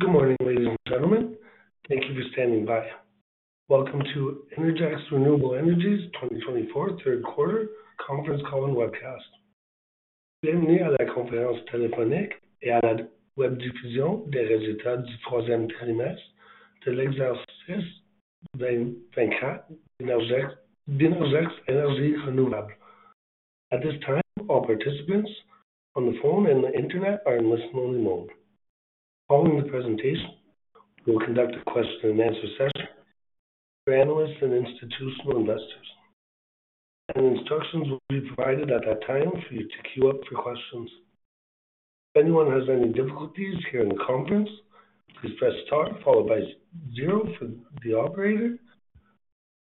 Good morning, ladies and gentlemen. Thank you for standing by. Welcome to Innergex Renewable Energy's 2024 third quarter conference call and webcast. Bienvenue à la conférence téléphonique et à la webdiffusion des résultats du troisième trimestre de l'exercice 2024 d'Innergex Énergies Renouvelables. At this time, all participants on the phone and the Internet are in listen-only mode. Following the presentation, we will conduct a question-and-answer session for analysts and institutional investors, and instructions will be provided at that time for you to queue up for questions. If anyone has any difficulties here in the conference, please press star followed by zero for the operator.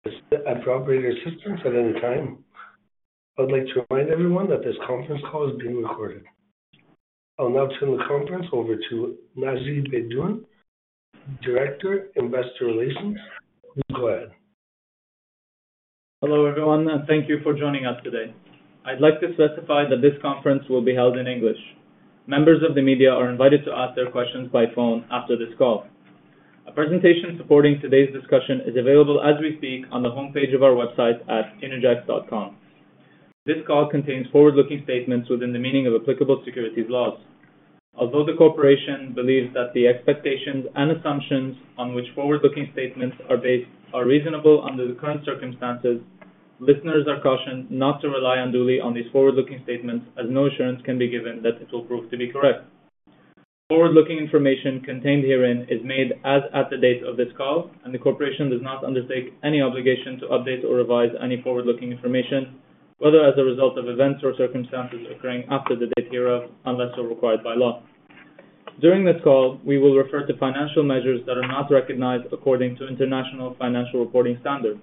If you have operator assistance at any time, I would like to remind everyone that this conference call is being recorded. I'll now turn the conference over to Naji Baydoun, Director, Investor Relations. Please go ahead. Hello, everyone, and thank you for joining us today. I'd like to specify that this conference will be held in English. Members of the media are invited to ask their questions by phone after this call. A presentation supporting today's discussion is available as we speak on the homepage of our website at innergex.com. This call contains forward-looking statements within the meaning of applicable securities laws. Although the corporation believes that the expectations and assumptions on which forward-looking statements are based are reasonable under the current circumstances, listeners are cautioned not to rely unduly on these forward-looking statements, as no assurance can be given that it will prove to be correct. Forward-looking information contained herein is made as at the date of this call, and the corporation does not undertake any obligation to update or revise any forward-looking information, whether as a result of events or circumstances occurring after the date hereof, unless so required by law. During this call, we will refer to financial measures that are not recognized according to international financial reporting standards.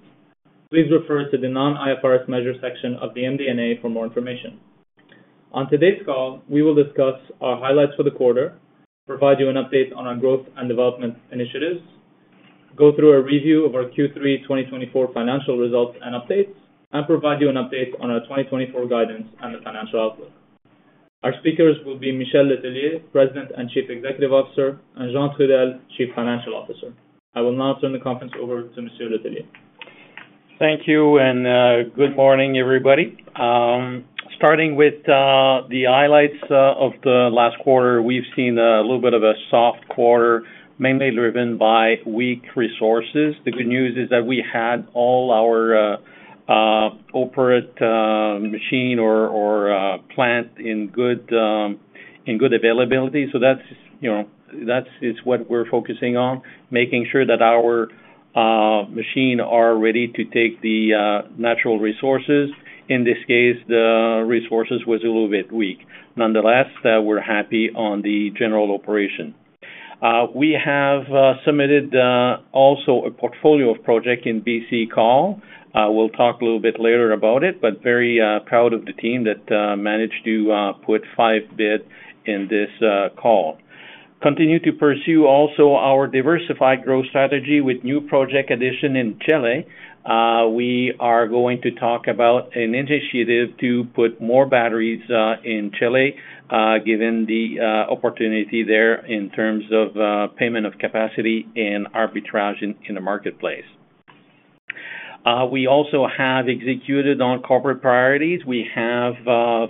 Please refer to the non-IFRS measures section of the MD&A for more information. On today's call, we will discuss our highlights for the quarter, provide you an update on our growth and development initiatives, go through a review of our Q3 2024 financial results and updates, and provide you an update on our 2024 guidance and the financial outlook. Our speakers will be Michel Letellier, President and Chief Executive Officer, and Jean Trudel, Chief Financial Officer. I will now turn the conference over to Michel Letellier. Thank you, and good morning, everybody. Starting with the highlights of the last quarter, we've seen a little bit of a soft quarter, mainly driven by weak resources. The good news is that we had all our operating machinery or plant in good availability. So that is what we're focusing on, making sure that our machinery is ready to take the natural resources. In this case, the resources were a little bit weak. Nonetheless, we're happy with the general operation. We have submitted also a portfolio of projects in BC call. We'll talk a little bit later about it, but very proud of the team that managed to put 5 bids in this call. Continue to pursue also our diversified growth strategy with new project addition in Chile. We are going to talk about an initiative to put more batteries in Chile, given the opportunity there in terms of payment of capacity and arbitrage in the marketplace. We also have executed on corporate priorities. We have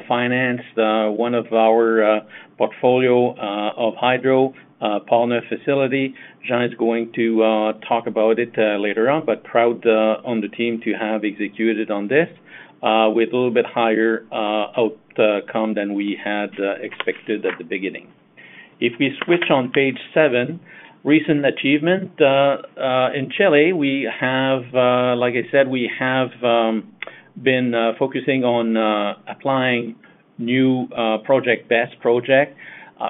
financed one of our portfolio of hydropower facilities. Jean is going to talk about it later on, but proud of the team to have executed on this with a little bit higher outcome than we had expected at the beginning. If we switch on page seven, recent achievement in Chile, like I said, we have been focusing on applying new BESS projects.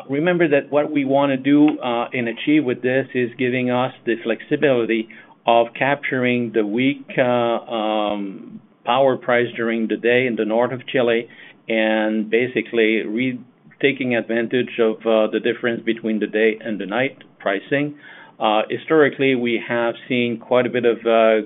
Remember that what we want to do and achieve with this is giving us the flexibility of capturing the low power price during the day in the north of Chile and basically taking advantage of the difference between the day and the night pricing. Historically, we have seen quite a bit of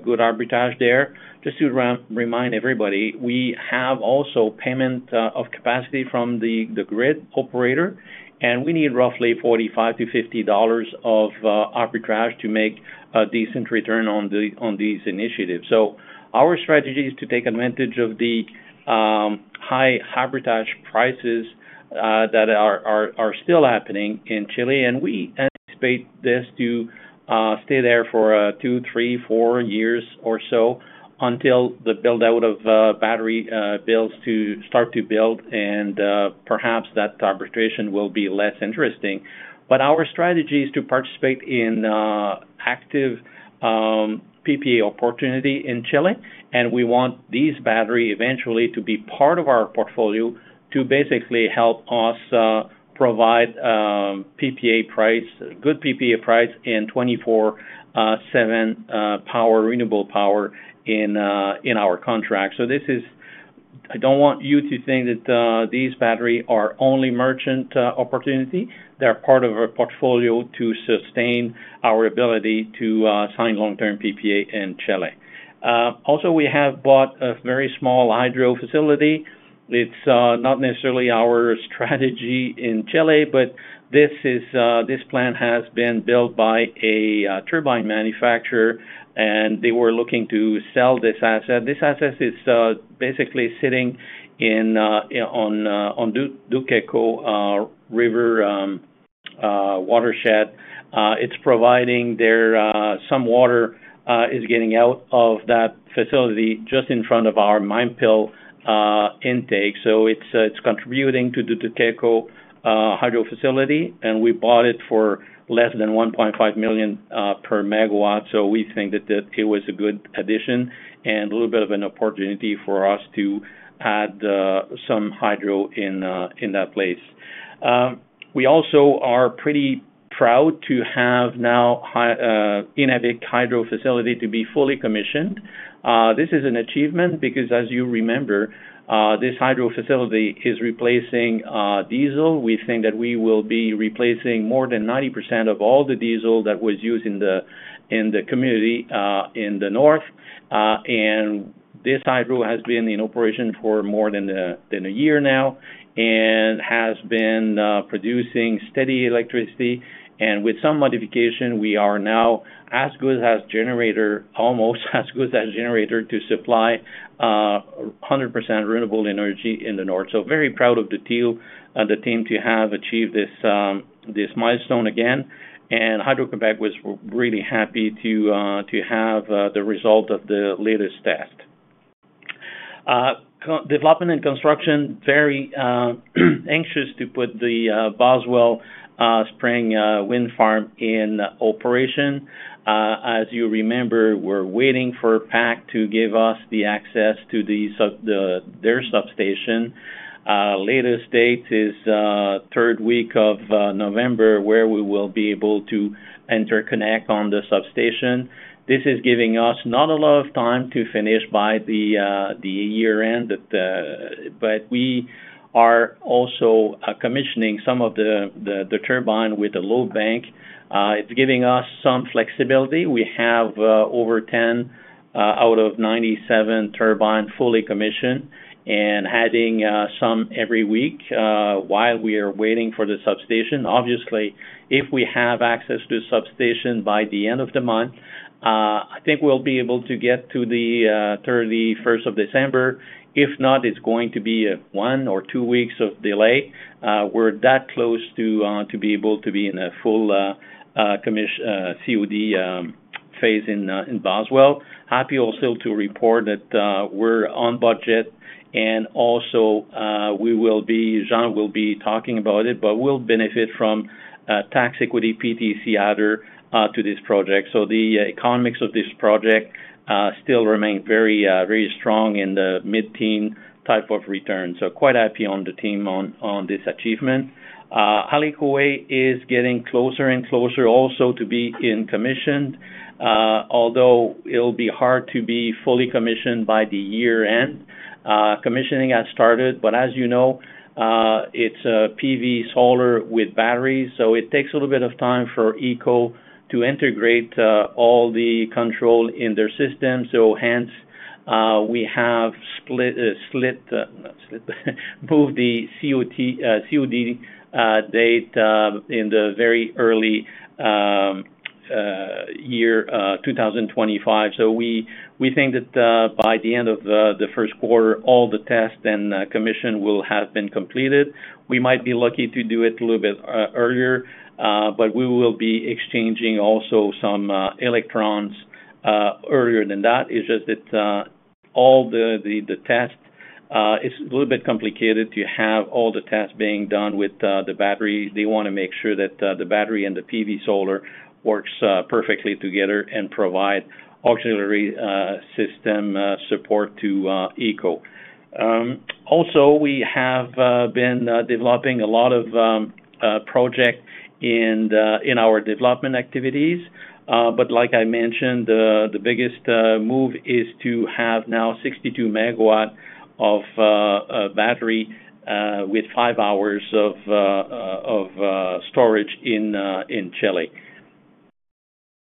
good arbitrage there. Just to remind everybody, we have also payment of capacity from the grid operator, and we need roughly $45-$50 of arbitrage to make a decent return on these initiatives. So our strategy is to take advantage of the high arbitrage prices that are still happening in Chile, and we anticipate this to stay there for two, three, four years or so until the build-out of battery builds start to build, and perhaps that arbitrage will be less interesting. But our strategy is to participate in active PPA opportunity in Chile, and we want these batteries eventually to be part of our portfolio to basically help us provide good PPA price and 24/7 renewable power in our contract. So I don't want you to think that these batteries are only merchant opportunity. They're part of our portfolio to sustain our ability to sign long-term PPA in Chile. Also, we have bought a very small hydro facility. It's not necessarily our strategy in Chile, but this plant has been built by a turbine manufacturer, and they were looking to sell this asset. This asset is basically sitting on Duqueco River watershed. It's providing that some water is getting out of that facility just in front of our Mampil intake. So it's contributing to the Duqueco hydro facility, and we bought it for less than $1.5 million per megawatt. So we think that it was a good addition and a little bit of an opportunity for us to add some hydro in that place. We also are pretty proud to have now an Innavik hydro facility to be fully commissioned. This is an achievement because, as you remember, this hydro facility is replacing diesel. We think that we will be replacing more than 90% of all the diesel that was used in the community in the north, and this hydro has been in operation for more than one year now and has been producing steady electricity, and with some modification, we are now as good as generator, almost as good as generator to supply 100% renewable energy in the north, so very proud of the team to have achieved this milestone again, and Hydro-Québec was really happy to have the result of the latest test. Development and construction, very anxious to put the Boswell Springs wind farm in operation. As you remember, we're waiting for PAC to give us the access to their substation. Latest date is third week of November, where we will be able to interconnect on the substation. This is giving us not a lot of time to finish by the year-end, but we are also commissioning some of the turbines with a load bank. It's giving us some flexibility. We have over 10 out of 97 turbines fully commissioned and adding some every week while we are waiting for the substation. Obviously, if we have access to the substation by the end of the month, I think we'll be able to get to the 31st of December. If not, it's going to be one or two weeks of delay. We're that close to be able to be in a full COD phase in Boswell. Happy also to report that we're on budget, and also Jean will be talking about it, but we'll benefit from tax equity PTC added to this project. So the economics of this project still remain very strong in the mid-teen type of return. So quite happy on the team on this achievement. Hale Kuawehi is getting closer and closer also to being commissioned, although it'll be hard to be fully commissioned by the year-end. Commissioning has started, but as you know, it's a PV solar with batteries. So it takes a little bit of time for HECO to integrate all the control in their system. So hence, we have moved the COD date in the very early year 2025. So we think that by the end of the first quarter, all the tests and commissioning will have been completed. We might be lucky to do it a little bit earlier, but we will be exchanging also some electrons earlier than that. It's just that all the tests are a little bit complicated to have all the tests being done with the batteries. They want to make sure that the battery and the PV solar work perfectly together and provide auxiliary system support to HECO. Also, we have been developing a lot of projects in our development activities. But like I mentioned, the biggest move is to have now 62 megawatts of battery with five hours of storage in Chile.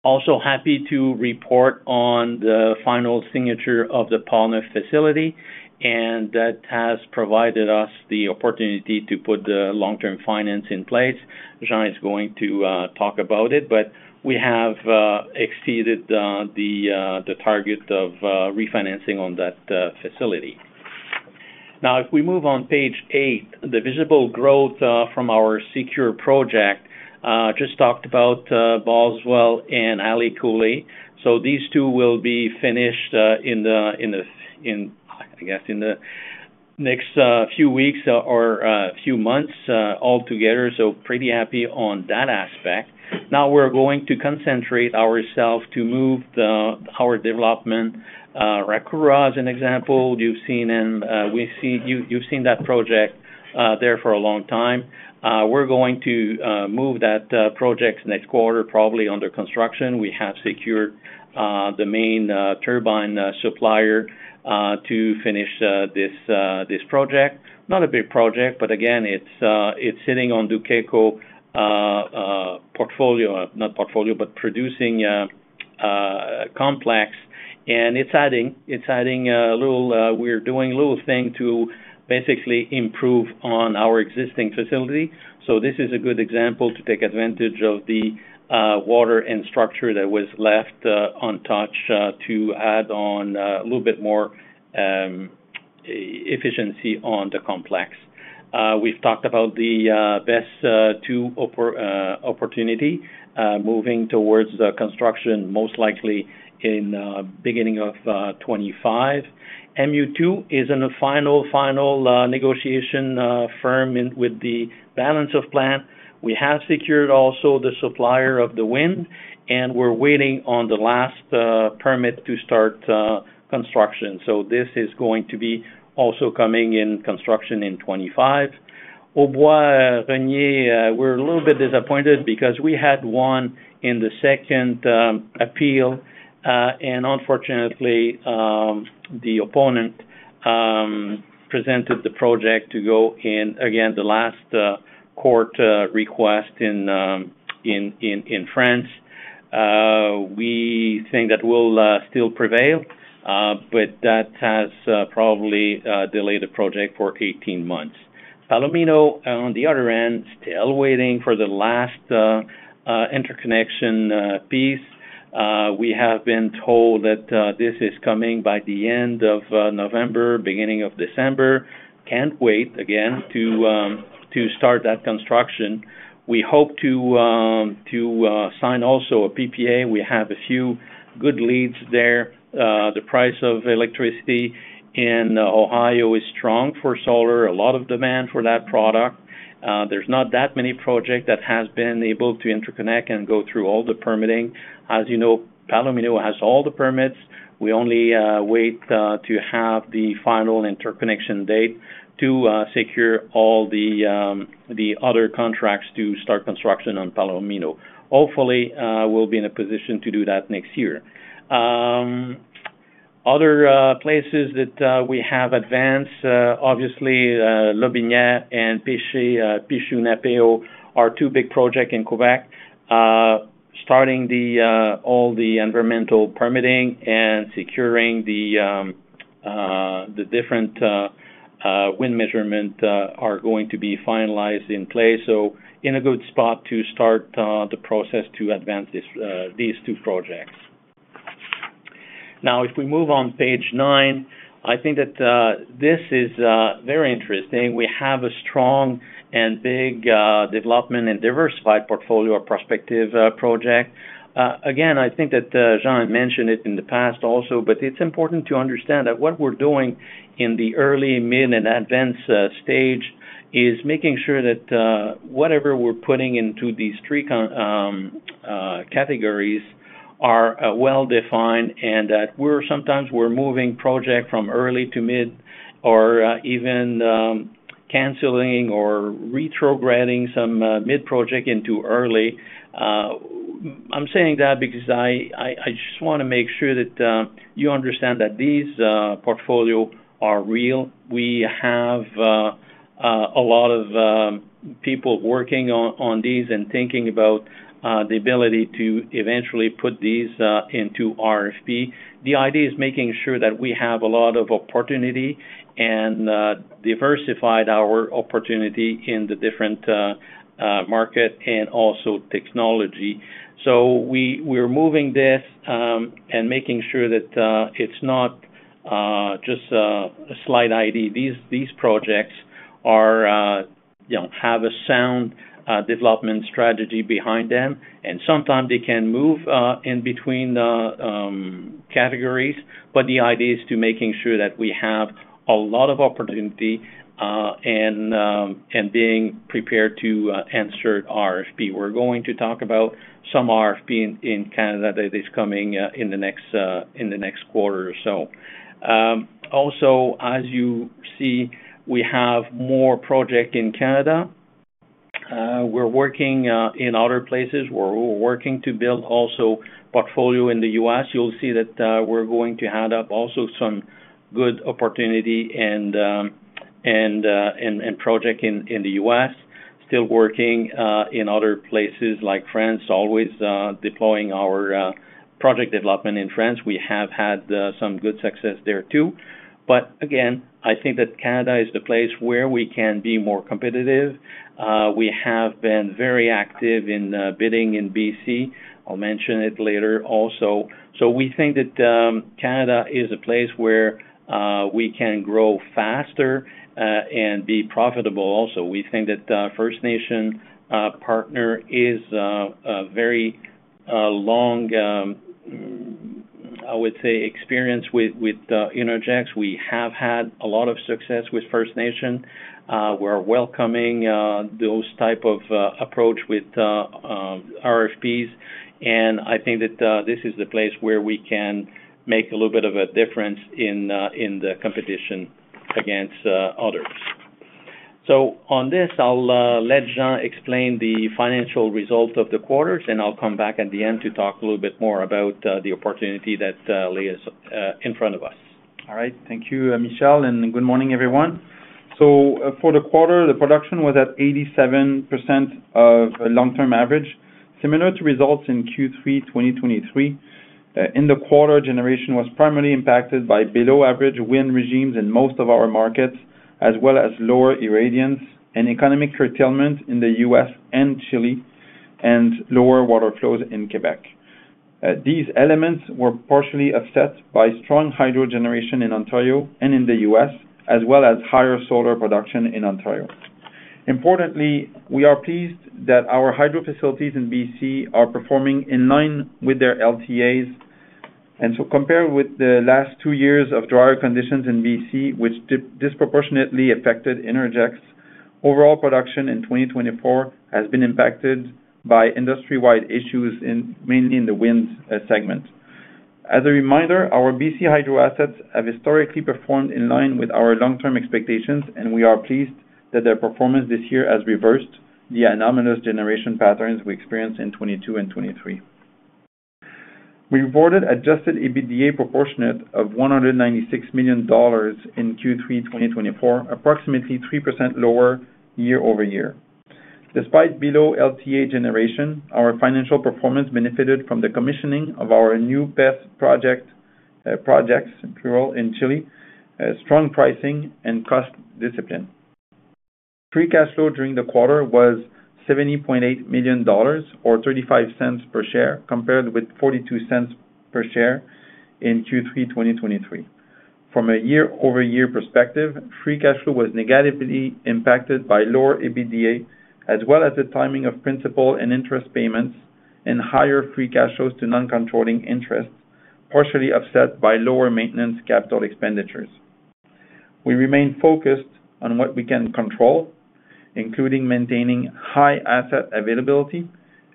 Also happy to report on the final signature of the Palmer facility, and that has provided us the opportunity to put the long-term finance in place. Jean is going to talk about it, but we have exceeded the target of refinancing on that facility. Now, if we move on page eight, the visible growth from our secured projects, just talked about Boswell and Alicoe. So these two will be finished in, I guess, in the next few weeks or few months altogether. So pretty happy on that aspect. Now we're going to concentrate ourselves to move our development. RACURA is an example. You've seen that project there for a long time. We're going to move that project next quarter, probably under construction. We have secured the main turbine supplier to finish this project. Not a big project, but again, it's sitting on Duqueco portfolio, not portfolio, but producing complex. And it's adding a little. We're doing a little thing to basically improve on our existing facility. So this is a good example to take advantage of the water and structure that was left untouched to add on a little bit more efficiency on the complex. We've talked about the BESS two opportunities moving towards construction, most likely in the beginning of 2025. MU2 is in the final, final negotiation firm with the balance of plant. We have secured also the supplier of the wind, and we're waiting on the last permit to start construction. So this is going to be also coming in construction in 2025. Aubois-Renier, we're a little bit disappointed because we had one in the second appeal, and unfortunately, the opponent presented the project to go in, again, the last court request in France. We think that will still prevail, but that has probably delayed the project for 18 months. Palomino, on the other end, still waiting for the last interconnection piece. We have been told that this is coming by the end of November, beginning of December. Can't wait, again, to start that construction. We hope to sign also a PPA. We have a few good leads there. The price of electricity in Ohio is strong for solar. A lot of demand for that product. There's not that many projects that have been able to interconnect and go through all the permitting. As you know, Palomino has all the permits. We only wait to have the final interconnection date to secure all the other contracts to start construction on Palomino. Hopefully, we'll be in a position to do that next year. Other places that we have advanced, obviously, Lotbinière and Piteshu are two big projects in Quebec. Starting all the environmental permitting and securing the different wind measurements are going to be finalized in place. [So], in a good spot to start the process to advance these two projects. Now, if we move on page nine, I think that this is very interesting. We have a strong and big development and diversified portfolio of prospective projects. Again, I think that Jean mentioned it in the past also, but it's important to understand that what we're doing in the early, mid, and advanced stage is making sure that whatever we're putting into these three categories are well-defined and that sometimes we're moving projects from early to mid or even canceling or retrograding some mid-project into early. I'm saying that because I just want to make sure that you understand that these portfolios are real. We have a lot of people working on these and thinking about the ability to eventually put these into RFP. The idea is making sure that we have a lot of opportunity and diversified our opportunity in the different market and also technology, so we're moving this and making sure that it's not just a slide idea. These projects have a sound development strategy behind them, and sometimes they can move in between categories, but the idea is to making sure that we have a lot of opportunity and being prepared to enter RFP. We're going to talk about some RFP in Canada that is coming in the next quarter or so. Also, as you see, we have more projects in Canada. We're working in other places. We're working to build also portfolio in the U.S. You'll see that we're going to line up also some good opportunity and project in the U.S. Still working in other places like France, always deploying our project development in France. We have had some good success there too. But again, I think that Canada is the place where we can be more competitive. We have been very active in bidding in BC. I'll mention it later also. So we think that Canada is a place where we can grow faster and be profitable also. We think that First Nation partner is a very long, I would say, experience with Innergex. We have had a lot of success with First Nation. We're welcoming those type of approach with RFPs. And I think that this is the place where we can make a little bit of a difference in the competition against others. So on this, I'll let Jean explain the financial result of the quarters, and I'll come back at the end to talk a little bit more about the opportunity that lays in front of us. All right. Thank you, Michel, and good morning, everyone, so for the quarter, the production was at 87% of long-term average, similar to results in Q3 2023. In the quarter, generation was primarily impacted by below-average wind regimes in most of our markets, as well as lower irradiance and economic curtailment in the U.S. and Chile, and lower water flows in Quebec. These elements were partially upset by strong hydro generation in Ontario and in the U.S., as well as higher solar production in Ontario. Importantly, we are pleased that our hydro facilities in BC are performing in line with their LTAs, and so compared with the last two years of drier conditions in BC, which disproportionately affected Energex, overall production in 2024 has been impacted by industry-wide issues, mainly in the wind segment. As a reminder, our BC hydro assets have historically performed in line with our long-term expectations, and we are pleased that their performance this year has reversed the anomalous generation patterns we experienced in 2022 and 2023. We reported adjusted EBITDA proportionate of $196 million in Q3 2024, approximately 3% lower year-over-year. Despite below LTA generation, our financial performance benefited from the commissioning of our new BESS projects in Chile, strong pricing, and cost discipline. Free cash flow during the quarter was $70.8 million or $0.35 per share, compared with $0.42 per share in Q3 2023. From a year-over-year perspective, free cash flow was negatively impacted by lower EBITDA, as well as the timing of principal and interest payments and higher free cash flows to non-controlling interest, partially offset by lower maintenance capital expenditures. We remain focused on what we can control, including maintaining high asset availability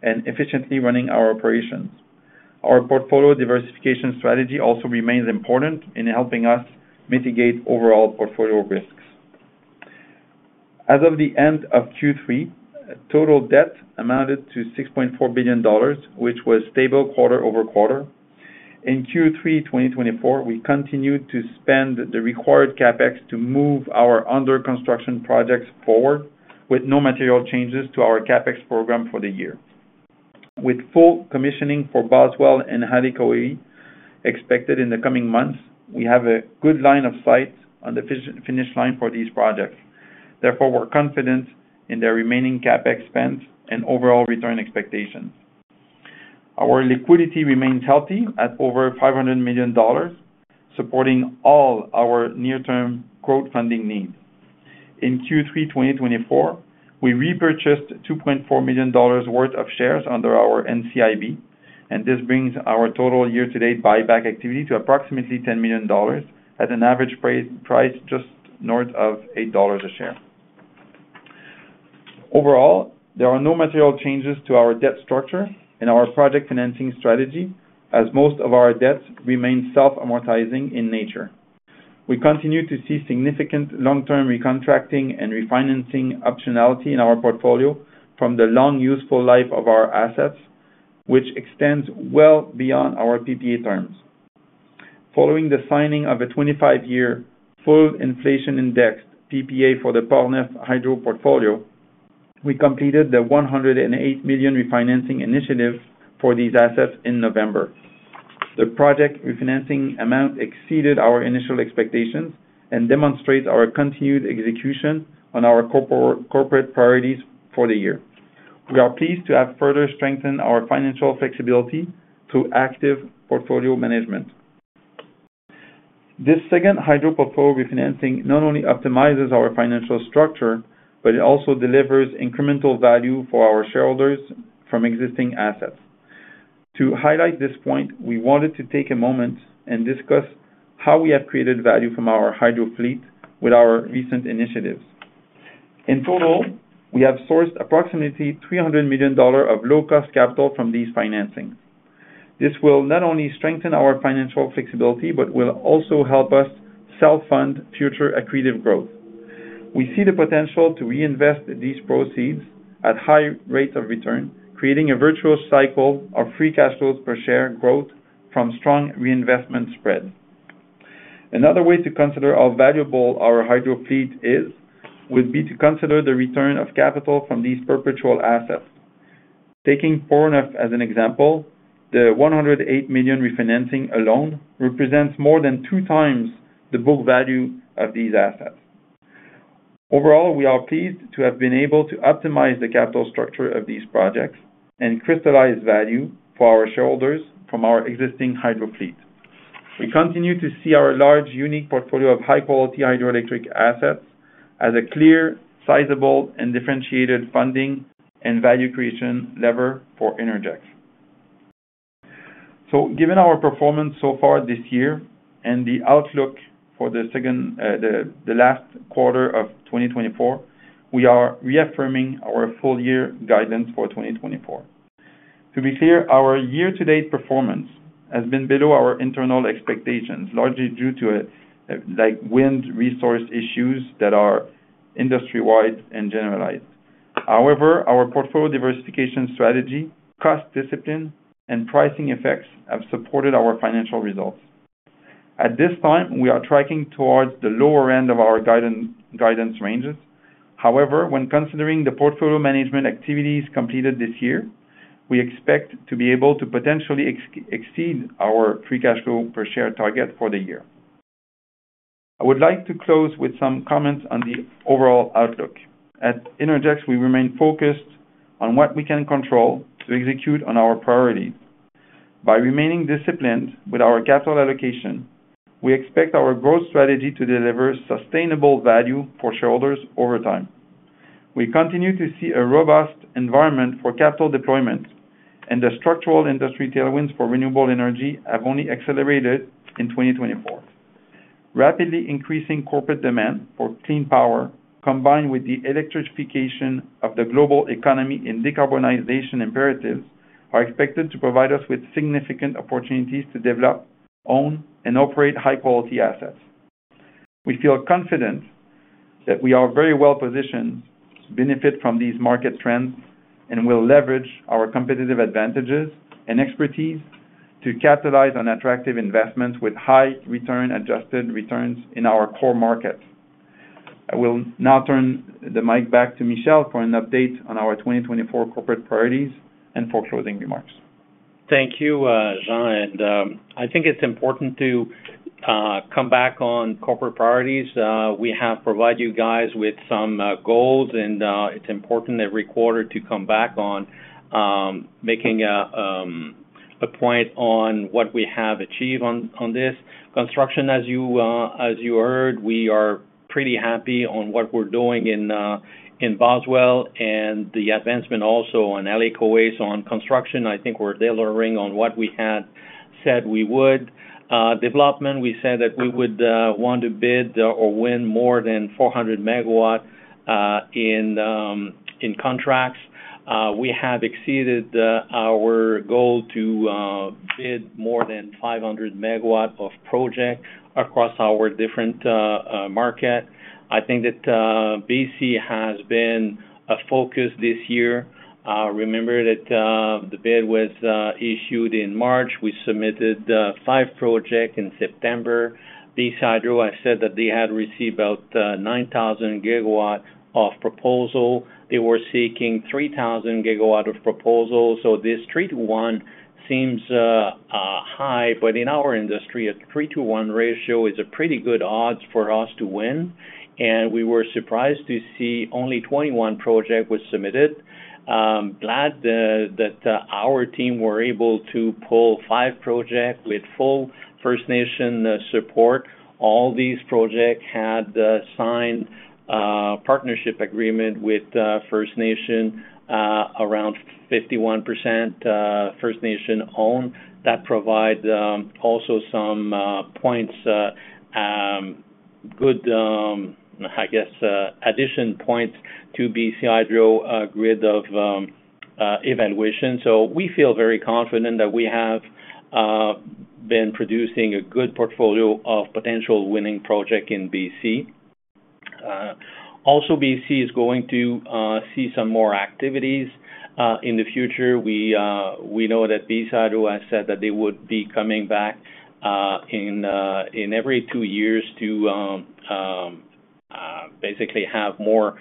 and efficiently running our operations. Our portfolio diversification strategy also remains important in helping us mitigate overall portfolio risks. As of the end of Q3, total debt amounted to $6.4 billion, which was stable quarter over quarter. In Q3 2024, we continued to spend the required CapEx to move our under-construction projects forward with no material changes to our CapEx program for the year. With full commissioning for Boswell and Alicoe expected in the coming months, we have a good line of sight on the finish line for these projects. Therefore, we're confident in their remaining CapEx spend and overall return expectations. Our liquidity remains healthy at over $500 million, supporting all our near-term growth funding needs. In Q3 2024, we repurchased $2.4 million worth of shares under our NCIB, and this brings our total year-to-date buyback activity to approximately $10 million at an average price just north of $8 a share. Overall, there are no material changes to our debt structure and our project financing strategy, as most of our debts remain self-amortizing in nature. We continue to see significant long-term recontracting and refinancing optionality in our portfolio from the long useful life of our assets, which extends well beyond our PPA terms. Following the signing of a 25-year full inflation-indexed PPA for the Palmer hydro portfolio, we completed the $108 million refinancing initiative for these assets in November. The project refinancing amount exceeded our initial expectations and demonstrates our continued execution on our corporate priorities for the year. We are pleased to have further strengthened our financial flexibility through active portfolio management. This second hydro portfolio refinancing not only optimizes our financial structure, but it also delivers incremental value for our shareholders from existing assets. To highlight this point, we wanted to take a moment and discuss how we have created value from our hydro fleet with our recent initiatives. In total, we have sourced approximately $300 million of low-cost capital from these financings. This will not only strengthen our financial flexibility, but will also help us self-fund future accretive growth. We see the potential to reinvest these proceeds at high rates of return, creating a virtuous cycle of free cash flows per share growth from strong reinvestment spreads. Another way to consider how valuable our hydro fleet is would be to consider the return of capital from these perpetual assets. Taking Portneuf as an example, the $108 million refinancing alone represents more than two times the book value of these assets. Overall, we are pleased to have been able to optimize the capital structure of these projects and crystallize value for our shareholders from our existing hydro fleet. We continue to see our large, unique portfolio of high-quality hydroelectric assets as a clear, sizable, and differentiated funding and value creation lever for Innergex. So, given our performance so far this year and the outlook for the last quarter of 2024, we are reaffirming our full-year guidance for 2024. To be clear, our year-to-date performance has been below our internal expectations, largely due to wind resource issues that are industry-wide and generalized. However, our portfolio diversification strategy, cost discipline, and pricing effects have supported our financial results. At this time, we are tracking towards the lower end of our guidance ranges. However, when considering the portfolio management activities completed this year, we expect to be able to potentially exceed our free cash flow per share target for the year. I would like to close with some comments on the overall outlook. At Innergex, we remain focused on what we can control to execute on our priorities. By remaining disciplined with our capital allocation, we expect our growth strategy to deliver sustainable value for shareholders over time. We continue to see a robust environment for capital deployment, and the structural industry tailwinds for renewable energy have only accelerated in 2024. Rapidly increasing corporate demand for clean power, combined with the electrification of the global economy and decarbonization imperatives, are expected to provide us with significant opportunities to develop, own, and operate high-quality assets. We feel confident that we are very well positioned to benefit from these market trends and will leverage our competitive advantages and expertise to capitalize on attractive investments with high-return adjusted returns in our core markets. I will now turn the mic back to Michel for an update on our 2024 corporate priorities and closing remarks. Thank you, Jean. And I think it's important to come back on corporate priorities. We have provided you guys with some goals, and it's important every quarter to come back on making a point on what we have achieved on this construction. As you heard, we are pretty happy on what we're doing in Boswell and the advancement also on Alicoe's on construction. I think we're tailoring on what we had said we would. Development, we said that we would want to bid or win more than 400 megawatts in contracts. We have exceeded our goal to bid more than 500 megawatts of projects across our different market. I think that BC has been a focus this year. Remember that the bid was issued in March. We submitted five projects in September. BC Hydro, I said that they had received about 9,000 gigawatts of proposal. They were seeking 3,000 gigawatts of proposal. So this 3:1 seems high, but in our industry, a 3:1 ratio is a pretty good odds for us to win, and we were surprised to see only 21 projects were submitted. Glad that our team were able to pull five projects with full First Nation support. All these projects had signed partnership agreements with First Nation, around 51% First Nation-owned. That provides also some points, good, I guess, addition points to BC Hydro's grid of evaluation. So we feel very confident that we have been producing a good portfolio of potential winning projects in BC. Also, BC is going to see some more activities in the future. We know that BC Hydro has said that they would be coming back in every two years to basically have more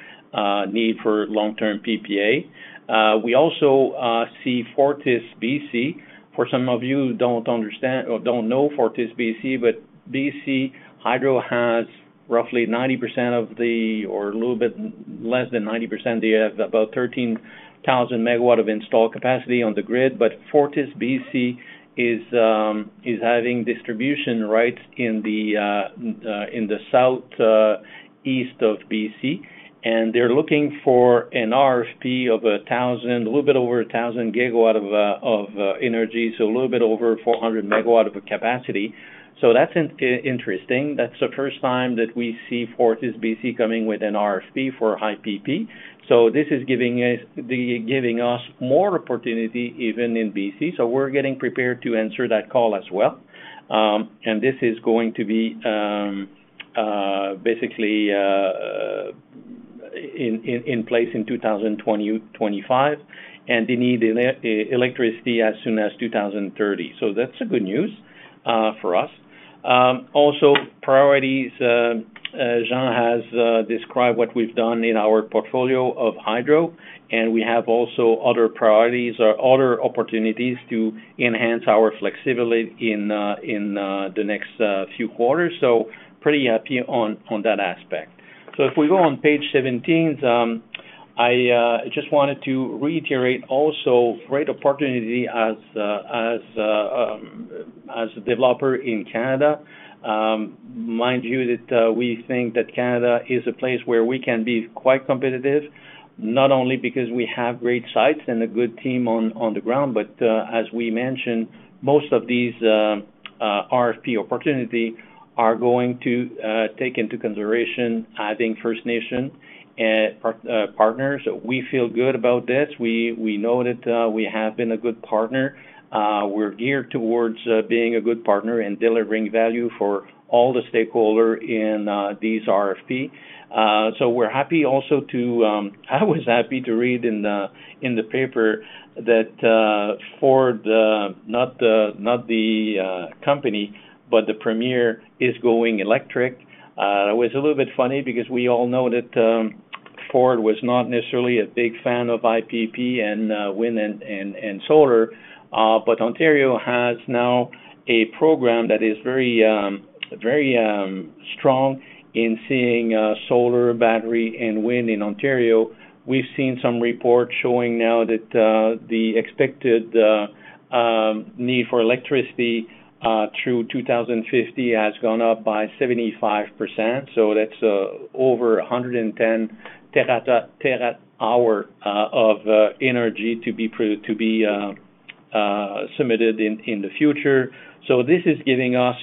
need for long-term PPA. We also see FortisBC. For some of you who don't know FortisBC, but BC Hydro has roughly 90% of the, or a little bit less than 90%. They have about 13,000 megawatts of installed capacity on the grid, but FortisBC is having distribution rights in the southeast of BC, and they're looking for an RFP of a thousand, a little bit over a thousand gigawatts of energy, so a little bit over 400 megawatts of capacity. So that's interesting. That's the first time that we see FortisBC coming with an RFP for high PP. So this is giving us more opportunity even in BC. So we're getting prepared to answer that call as well. And this is going to be basically in place in 2025, and they need electricity as soon as 2030. So that's good news for us. Also, priorities, Jean has described what we've done in our portfolio of hydro, and we have also other priorities or other opportunities to enhance our flexibility in the next few quarters. So pretty happy on that aspect. So if we go on page 17, I just wanted to reiterate also great opportunity as a developer in Canada. Mind you that we think that Canada is a place where we can be quite competitive, not only because we have great sites and a good team on the ground, but as we mentioned, most of these RFP opportunities are going to take into consideration adding First Nation partners. We feel good about this. We know that we have been a good partner. We're geared towards being a good partner and delivering value for all the stakeholders in these RFP. So we're happy also to. I was happy to read in the paper that Ford, not the company, but the premier is going electric. It was a little bit funny because we all know that Ford was not necessarily a big fan of high PP and wind and solar, but Ontario has now a program that is very strong in seeing solar, battery, and wind in Ontario. We've seen some reports showing now that the expected need for electricity through 2050 has gone up by 75%. So that's over 110 terawatt-hours of energy to be submitted in the future. So this is giving us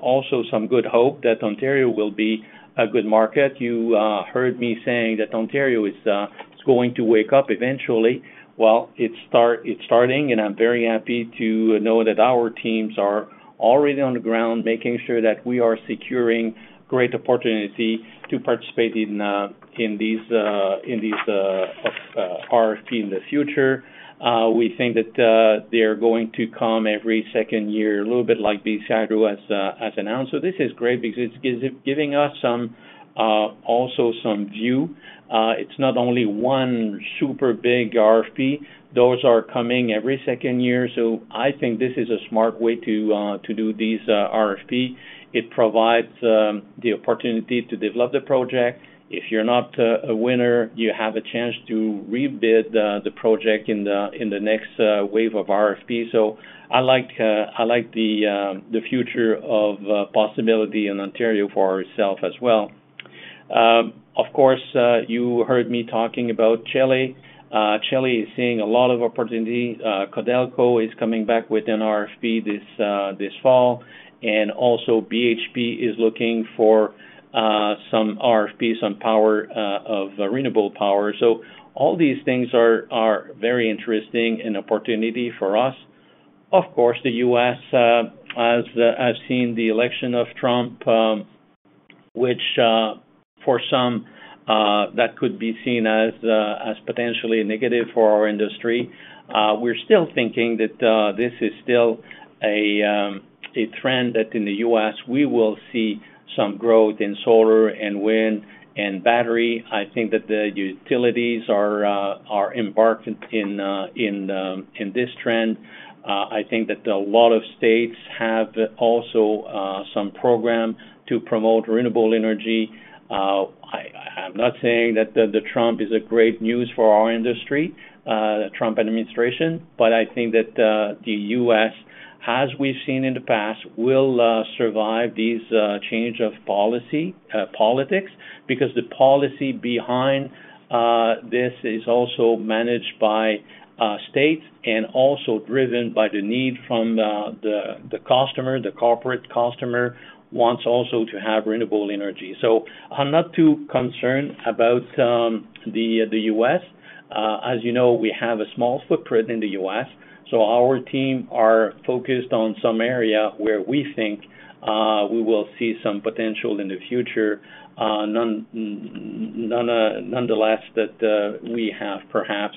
also some good hope that Ontario will be a good market. You heard me saying that Ontario is going to wake up eventually. Well, it's starting, and I'm very happy to know that our teams are already on the ground making sure that we are securing great opportunity to participate in these RFPs in the future. We think that they're going to come every second year, a little bit like BC Hydro has announced. So this is great because it's giving us also some view. It's not only one super big RFP. Those are coming every second year. So I think this is a smart way to do these RFPs. It provides the opportunity to develop the project. If you're not a winner, you have a chance to re-bid the project in the next wave of RFPs. So I like the future of possibility in Ontario for ourselves as well. Of course, you heard me talking about Chile. Chile is seeing a lot of opportunity. Codelco is coming back with an RFP this fall, and also BHP is looking for some RFPs, some renewable power. So all these things are very interesting and opportunity for us. Of course, the U.S., as I've seen the election of Trump, which for some that could be seen as potentially negative for our industry. We're still thinking that this is still a trend that in the U.S., we will see some growth in solar and wind and battery. I think that the utilities are embarked in this trend. I think that a lot of states have also some program to promote renewable energy. I'm not saying that the Trump is great news for our industry, the Trump administration, but I think that the U.S., as we've seen in the past, will survive these changes of politics because the policy behind this is also managed by states and also driven by the need from the customer, the corporate customer, wants also to have renewable energy. So I'm not too concerned about the U.S. As you know, we have a small footprint in the U.S. So our team are focused on some area where we think we will see some potential in the future. Nonetheless, that we have perhaps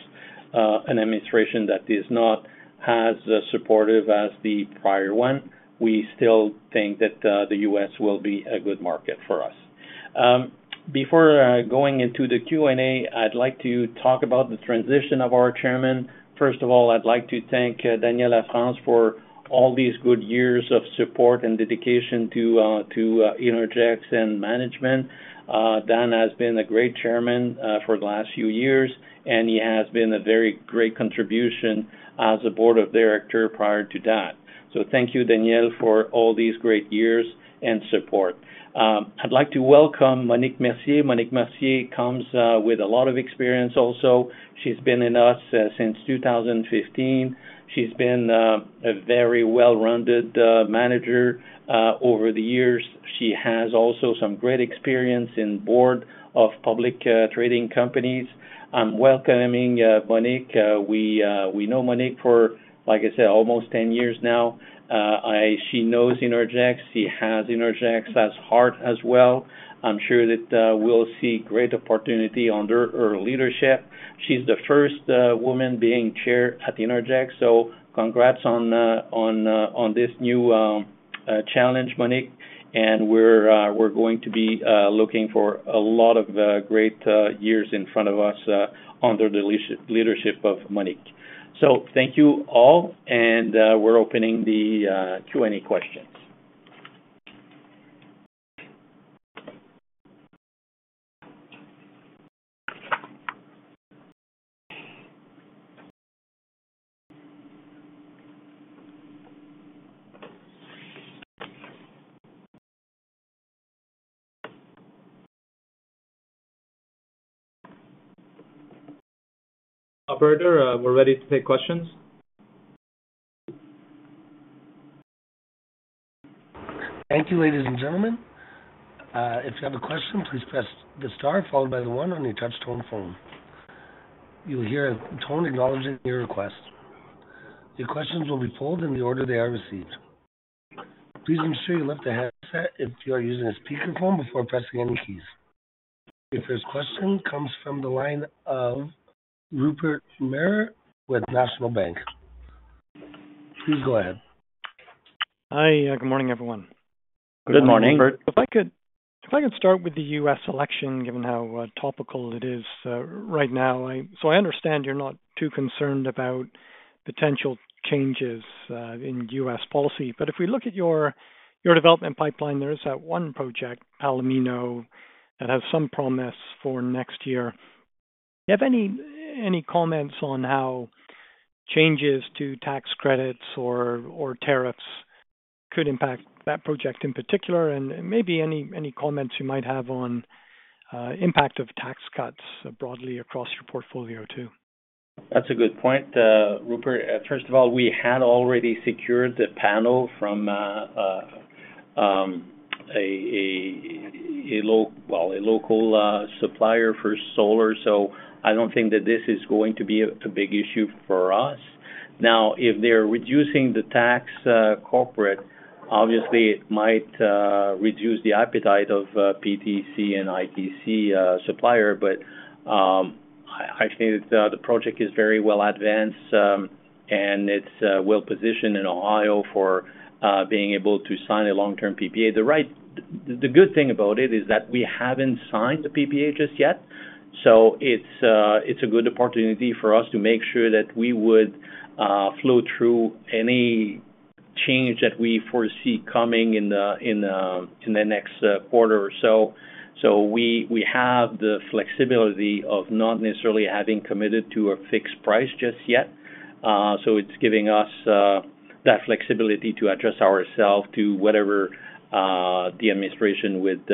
an administration that is not as supportive as the prior one. We still think that the U.S. will be a good market for us. Before going into the Q&A, I'd like to talk about the transition of our chairman. First of all, I'd like to thank Daniel Lafrance for all these good years of support and dedication to Innergex and management. Dan has been a great chairman for the last few years, and he has been a very great contribution as a director prior to that. So thank you, Daniel, for all these great years and support. I'd like to welcome Monique Mercier. Monique Mercier comes with a lot of experience also. She's been with us since 2015. She's been a very well-rounded manager over the years. She has also some great experience in boards of publicly traded companies. I'm welcoming Monique. We know Monique for, like I said, almost 10 years now. She knows Innergex. She has Innergex at heart as well. I'm sure that we'll see great opportunity under her leadership. She's the first woman being chair at Innergex. So congrats on this new challenge, Monique. And we're going to be looking for a lot of great years in front of us under the leadership of Monique. So thank you all, and we're opening the Q&A questions. Albert, are we ready to take questions? Thank you, ladies and gentlemen. If you have a question, please press the star followed by the one on your touch-tone phone. You'll hear a tone acknowledging your request. Your questions will be pulled in the order they are received. Please ensure you lift the headset if you are using a speakerphone before pressing any keys. Your first question comes from the line of Rupert Merer with National Bank Financial. Please go ahead. Hi. Good morning, everyone. Good morning. If I could start with the U.S. election, given how topical it is right now. So I understand you're not too concerned about potential changes in U.S. policy. But if we look at your development pipeline, there is that one project, Palomino, that has some promise for next year. Do you have any comments on how changes to tax credits or tariffs could impact that project in particular? And maybe any comments you might have on the impact of tax cuts broadly across your portfolio too. That's a good point, Rupert. First of all, we had already secured the panel from a local supplier for solar. So I don't think that this is going to be a big issue for us. Now, if they're reducing the corporate tax, obviously, it might reduce the appetite of PTC and ITC suppliers. But I think that the project is very well advanced, and it's well positioned in Ohio for being able to sign a long-term PPA. The good thing about it is that we haven't signed the PPA just yet. So it's a good opportunity for us to make sure that we would flow through any change that we foresee coming in the next quarter or so. So we have the flexibility of not necessarily having committed to a fixed price just yet. So it's giving us that flexibility to adjust ourselves to whatever the administration would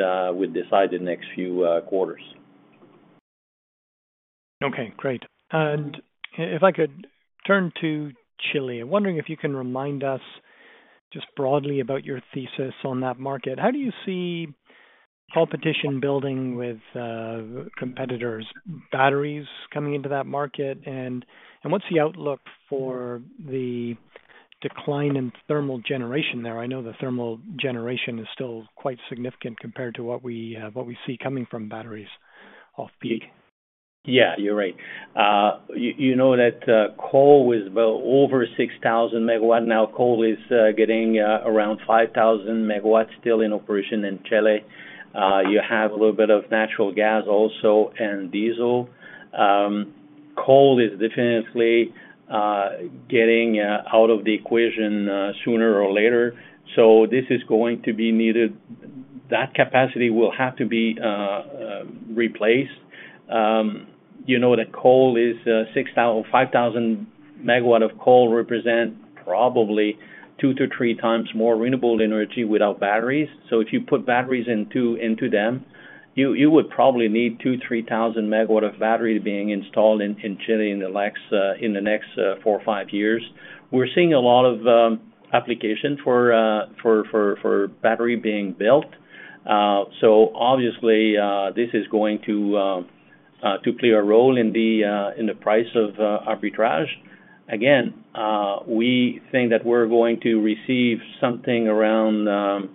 decide in the next few quarters. Okay. Great. And if I could turn to Chile, I'm wondering if you can remind us just broadly about your thesis on that market. How do you see competition building with competitors, batteries coming into that market? And what's the outlook for the decline in thermal generation there? I know the thermal generation is still quite significant compared to what we see coming from batteries off-peak. Yeah, you're right. You know that coal was well over 6,000 megawatts. Now, coal is getting around 5,000 megawatts still in operation in Chile. You have a little bit of natural gas also and diesel. Coal is definitely getting out of the equation sooner or later. So this is going to be needed. That capacity will have to be replaced. You know that coal is 5,000 megawatts of coal represent probably two to three times more renewable energy without batteries. So if you put batteries into them, you would probably need two to three thousand megawatts of battery being installed in Chile in the next four or five years. We're seeing a lot of application for battery being built. Obviously, this is going to play a role in the price of arbitrage. Again, we think that we're going to receive something around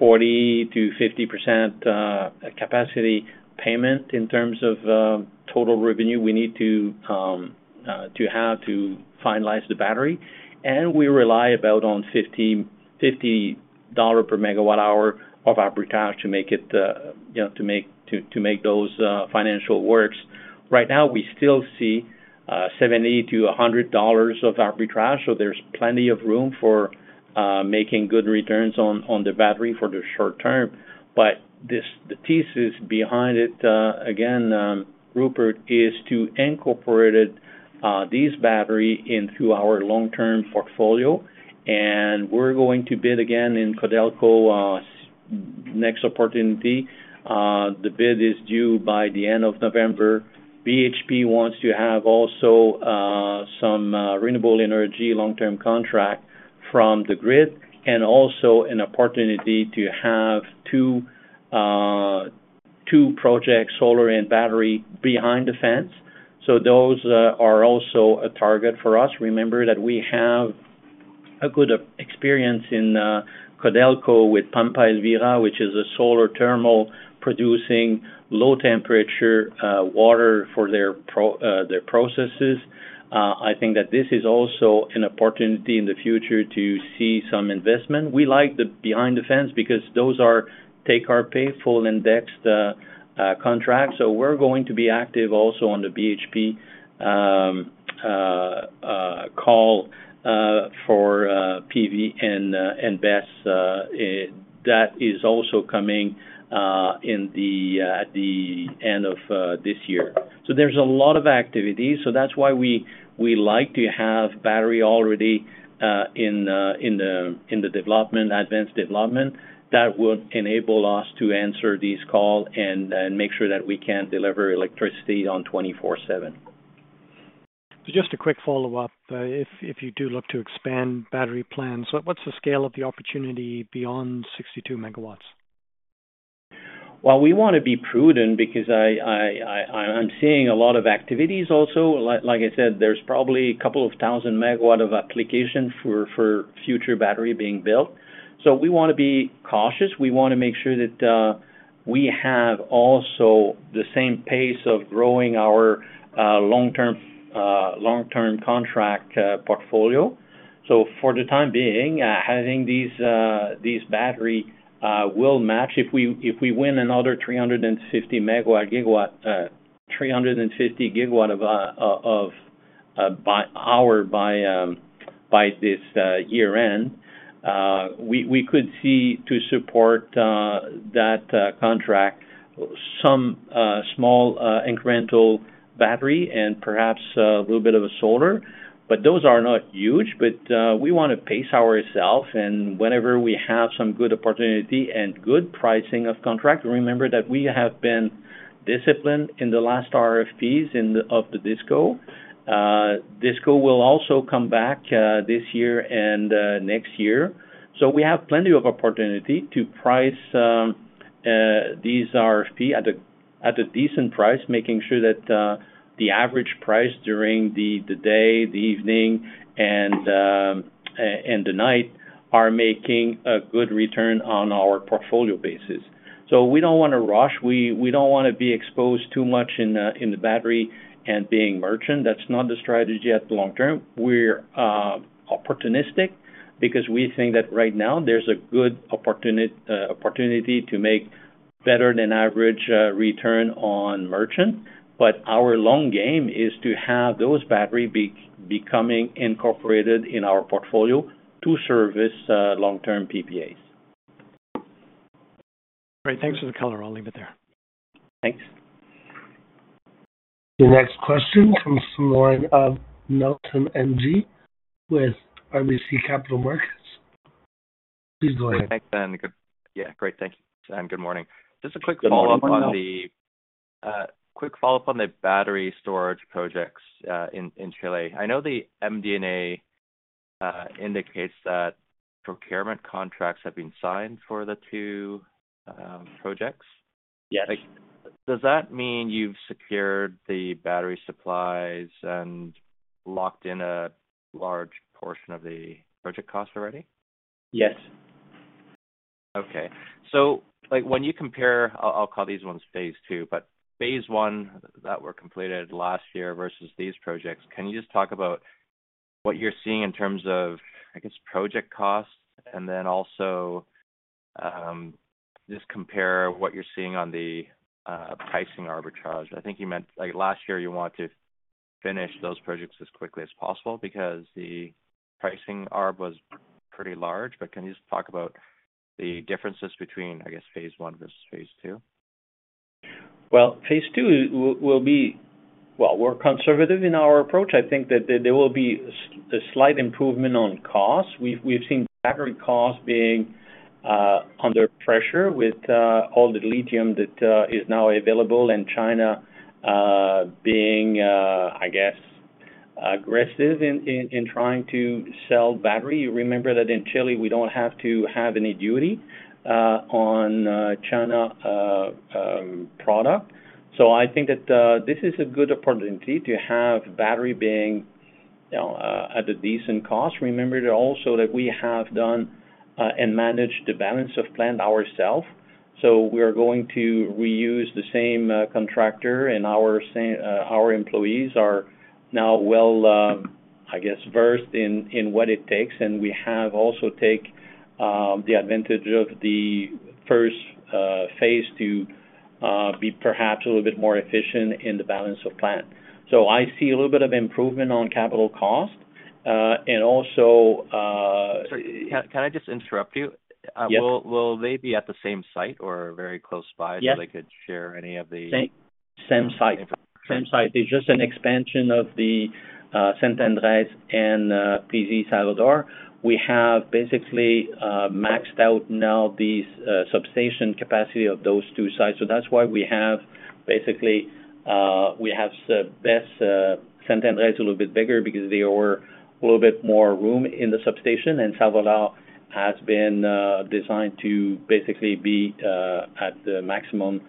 40%-50% capacity payment in terms of total revenue we need to have to finalize the battery. And we rely about on $50 per megawatt-hour of arbitrage to make those financial works. Right now, we still see $70-$100 of arbitrage. So there's plenty of room for making good returns on the battery for the short term. But the thesis behind it, again, Rupert, is to incorporate these batteries into our long-term portfolio. And we're going to bid again in Codelco's next opportunity. The bid is due by the end of November. BHP wants to have also some renewable energy long-term contract from the grid and also an opportunity to have two projects, solar and battery, behind the fence. So those are also a target for us. Remember that we have a good experience in Codelco with Pampa Elvira, which is a solar thermal producing low-temperature water for their processes. I think that this is also an opportunity in the future to see some investment. We like the behind-the-fence because those are take-or-pay full-indexed contracts. So we're going to be active also on the BHP call for PV and BESS that is also coming at the end of this year. So there's a lot of activity. So that's why we like to have battery already in the development, advanced development, that would enable us to answer these calls and make sure that we can deliver electricity on 24/7. Just a quick follow-up. If you do look to expand battery plans, what's the scale of the opportunity beyond 62 MW? Well, we want to be prudent because I'm seeing a lot of activities also. Like I said, there's probably a couple of thousand megawatts of application for future battery being built. So we want to be cautious. We want to make sure that we have also the same pace of growing our long-term contract portfolio. So for the time being, having these batteries will match if we win another 350 megawatt-hours by this year-end. We could see to support that contract some small incremental battery and perhaps a little bit of a solar. But those are not huge. But we want to pace ourselves. And whenever we have some good opportunity and good pricing of contract, remember that we have been disciplined in the last RFPs of the DISCO. DISCO will also come back this year and next year. So we have plenty of opportunity to price these RFPs at a decent price, making sure that the average price during the day, the evening, and the night are making a good return on our portfolio basis. So we don't want to rush. We don't want to be exposed too much in the battery and being merchant. That's not the strategy at the long term. We're opportunistic because we think that right now there's a good opportunity to make better than average return on merchant. But our long game is to have those batteries becoming incorporated in our portfolio to service long-term PPAs. All right. Thanks for the call. I'll leave it there. Thanks. The next question comes from the line of Nelson Ng with RBC Capital Markets. Please go ahead. Thanks, Yeah. Great. Thank you, and good morning. Just a quick follow-up on the quick follow-up on the battery storage projects in Chile. I know the MD&A indicates that procurement contracts have been signed for the two projects. Yes. Does that mean you've secured the battery supplies and locked in a large portion of the project costs already? Yes. Okay. So when you compare, I'll call these ones phase two, but phase one that were completed last year versus these projects, can you just talk about what you're seeing in terms of, I guess, project costs? And then also just compare what you're seeing on the pricing arbitrage. I think you meant last year you want to finish those projects as quickly as possible because the pricing arb was pretty large. But can you just talk about the differences between, I guess, phase one versus phase two? Well, phase two will be, well, we're conservative in our approach. I think that there will be a slight improvement on costs. We've seen battery costs being under pressure with all the lithium that is now available and China being, I guess, aggressive in trying to sell batteries. You remember that in Chile, we don't have to have any duty on China products. So I think that this is a good opportunity to have batteries being at a decent cost. Remember also that we have done and managed the balance of plant ourselves. So we are going to reuse the same contractor, and our employees are now well, I guess, versed in what it takes. And we have also taken the advantage of the first phase to be perhaps a little bit more efficient in the balance of plant. So I see a little bit of improvement on capital costs. And also, sorry. Can I just interrupt you? Will they be at the same site or very close by so they could share any of the Same site. Same site. It's just an expansion of the San Andrés and PV Salvador. We have basically maxed out now the substation capacity of those two sites. So that's why we have basically BESS San Andrés a little bit bigger because there were a little bit more room in the substation, and Salvador has been designed to basically be at the maximum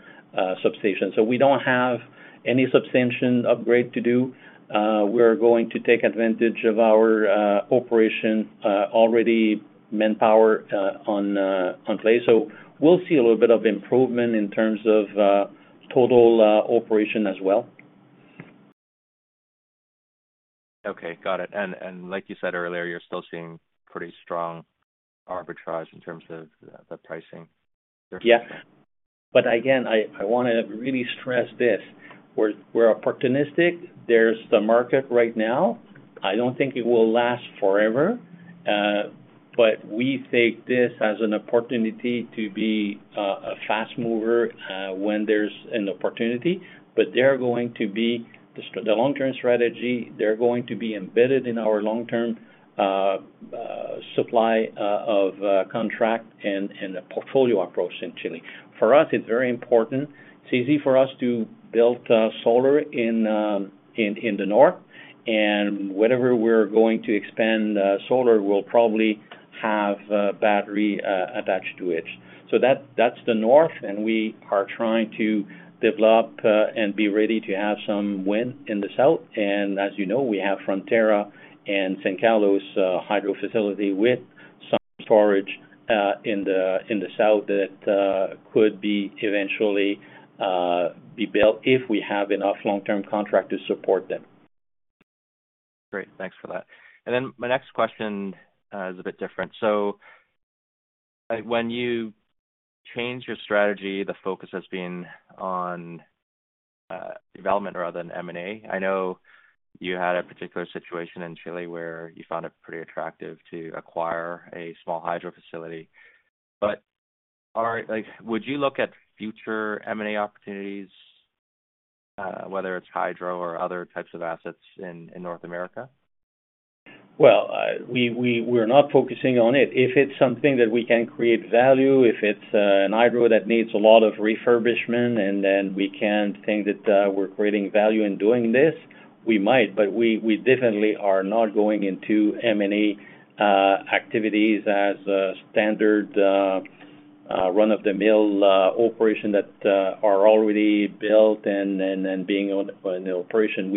substation. So we don't have any substation upgrade to do. We're going to take advantage of our operation already manpower in place. So we'll see a little bit of improvement in terms of total operation as well. Okay. Got it, and like you said earlier, you're still seeing pretty strong arbitrage in terms of the pricing. Yeah. But again, I want to really stress this. We're opportunistic. There's the market right now. I don't think it will last forever. But we take this as an opportunity to be a fast mover when there's an opportunity. But they're going to be the long-term strategy. They're going to be embedded in our long-term supply of contract and portfolio approach in Chile. For us, it's very important. It's easy for us to build solar in the north. And whenever we're going to expand solar, we'll probably have batteries attached to it. So that's the north. And we are trying to develop and be ready to have some wind in the south. And as you know, we have Frontera and San Carlos hydro facility with some storage in the south that could be eventually built if we have enough long-term contract to support them. Great. Thanks for that. And then my next question is a bit different. When you change your strategy, the focus has been on development rather than M&A. I know you had a particular situation in Chile where you found it pretty attractive to acquire a small hydro facility. Would you look at future M&A opportunities, whether it's hydro or other types of assets in North America? We're not focusing on it. If it's something that we can create value, if it's a hydro that needs a lot of refurbishment and then we can think that we're creating value in doing this, we might. We definitely are not going into M&A activities as standard run-of-the-mill operations that are already built and being in operation.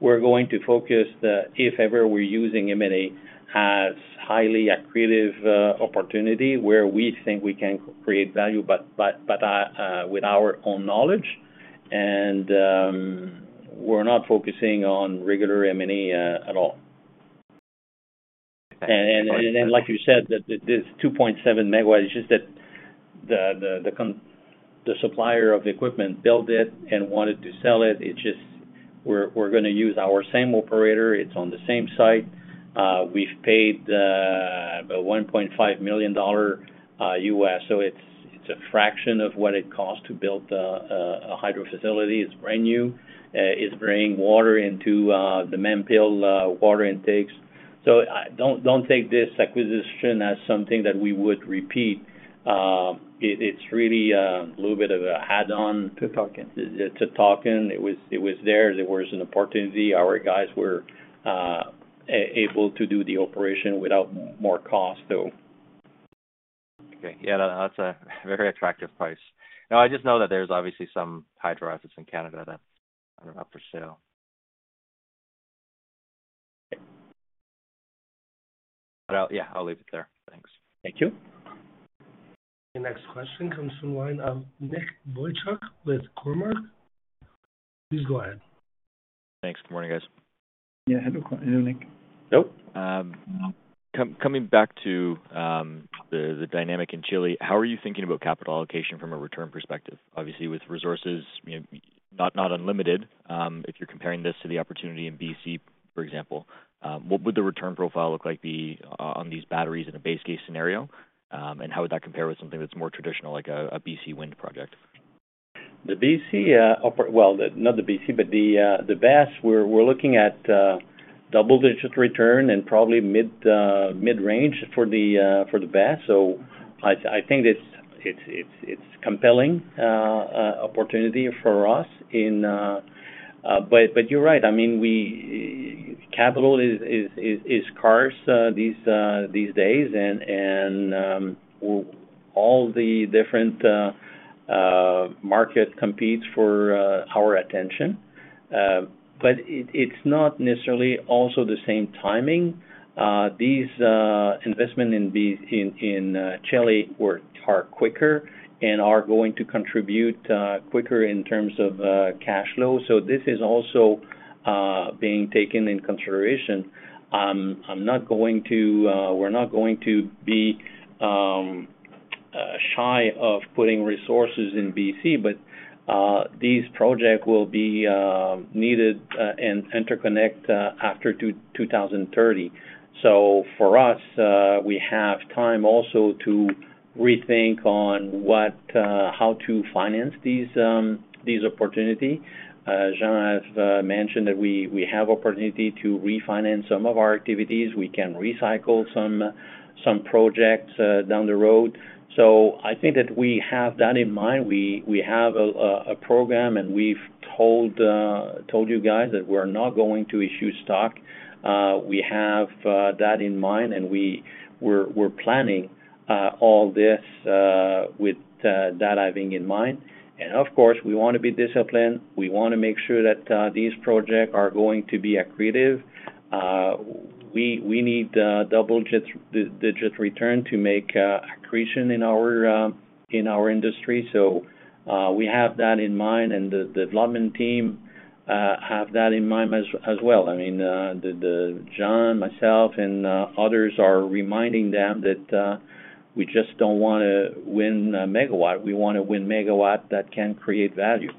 We're going to focus that if ever we're using M&A as highly accretive opportunity where we think we can create value, but with our own knowledge. We're not focusing on regular M&A at all. And then, like you said, this 2.7 MW, it's just that the supplier of equipment built it and wanted to sell it. It's just we're going to use our same operator. It's on the same site. We've paid $1.5 million. So it's a fraction of what it costs to build a hydro facility. It's brand new. It's bringing water into the Mampil water intakes. So don't take this acquisition as something that we would repeat. It's really a little bit of an add-on to the Duqueco. It was there. There was an opportunity. Our guys were able to do the operation without more cost, though. Okay. Yeah. That's a very attractive price. Now, I just know that there's obviously some hydro assets in Canada that are up for sale. Yeah. I'll leave it there. Thanks. Thank you. The next question comes from the line of Nicholas Boychuk with Cormark. Please go ahead. Thanks. Good morning, guys. Yeah. Hello, Nicholas. Coming back to the dynamic in Chile, how are you thinking about capital allocation from a return perspective? Obviously, with resources not unlimited, if you're comparing this to the opportunity in BC, for example, what would the return profile look like on these batteries in a base case scenario? And how would that compare with something that's more traditional, like a BC wind project? The BC well, not the BC, but the BESS, we're looking at double-digit return and probably mid-range for the BESS. So I think it's a compelling opportunity for us. But you're right. I mean, capital is scarce these days. And all the different markets compete for our attention. But it's not necessarily also the same timing. These investments in Chile are quicker and are going to contribute quicker in terms of cash flow. So this is also being taken into consideration. We're not going to be shy of putting resources in BC, but these projects will be needed and interconnect after 2030. For us, we have time also to rethink on how to finance these opportunities. As John has mentioned, we have the opportunity to refinance some of our activities. We can recycle some projects down the road. So I think that we have that in mind. We have a program, and we've told you guys that we're not going to issue stock. We have that in mind, and we're planning all this with that having in mind. Of course, we want to be disciplined. We want to make sure that these projects are going to be accretive. We need double-digit return to make accretion in our industry. So we have that in mind, and the development team has that in mind as well. I mean, John, myself, and others are reminding them that we just don't want to win MW. We want to win MW that can create value.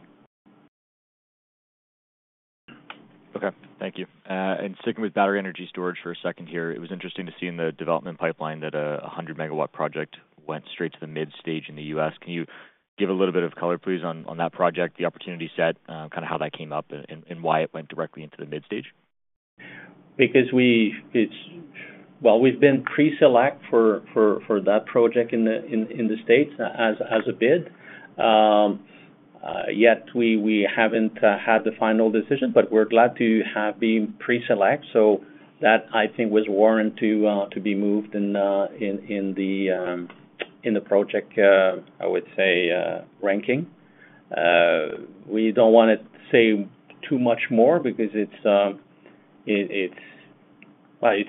Okay. Thank you. And sticking with battery energy storage for a second here, it was interesting to see in the development pipeline that a 100-MW project went straight to the mid-stage in the U.S. Can you give a little bit of color, please, on that project, the opportunity set, kind of how that came up, and why it went directly into the mid-stage? Because we've been pre-selected for that project in the States as a bid. Yet we haven't had the final decision, but we're glad to have been pre-selected. So that, I think, was warranted to be moved in the project ranking, I would say. We don't want to say too much more because it's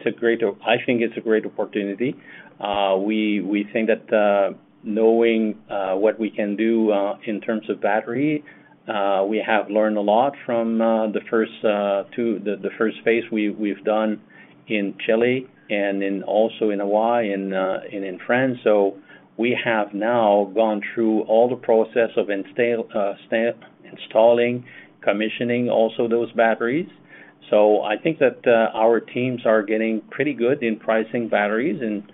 a great, I think it's a great opportunity. We think that knowing what we can do in terms of battery, we have learned a lot from the first phase we've done in Chile and also in Hawaii and in France. So we have now gone through all the process of installing, commissioning also those batteries. So I think that our teams are getting pretty good in pricing batteries. And